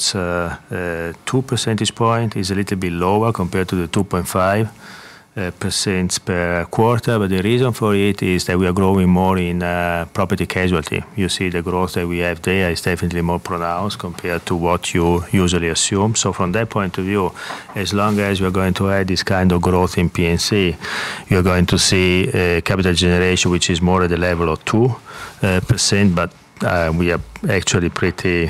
S2: 2 percentage point. It's a little bit lower compared to the 2.5% per quarter. The reason for it is that we are growing more in property casualty. You see the growth that we have there is definitely more pronounced compared to what you usually assume. From that point of view, as long as we are going to have this kind of growth in P&C, you're going to see capital generation, which is more at the level of 2%. We are actually pretty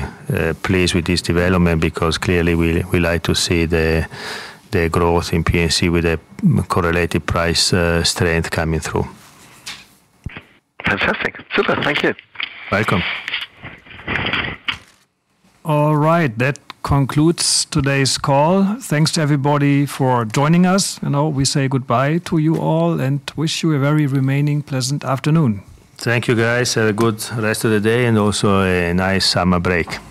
S2: pleased with this development because clearly we like to see the growth in P&C with a correlated price strength coming through.
S4: Fantastic. Super. Thank you.
S2: Welcome.
S1: All right. That concludes today's call. Thanks to everybody for joining us, and now we say goodbye to you all and wish you a very pleasant remaining afternoon.
S2: Thank you guys. Have a good rest of the day and also a nice summer break.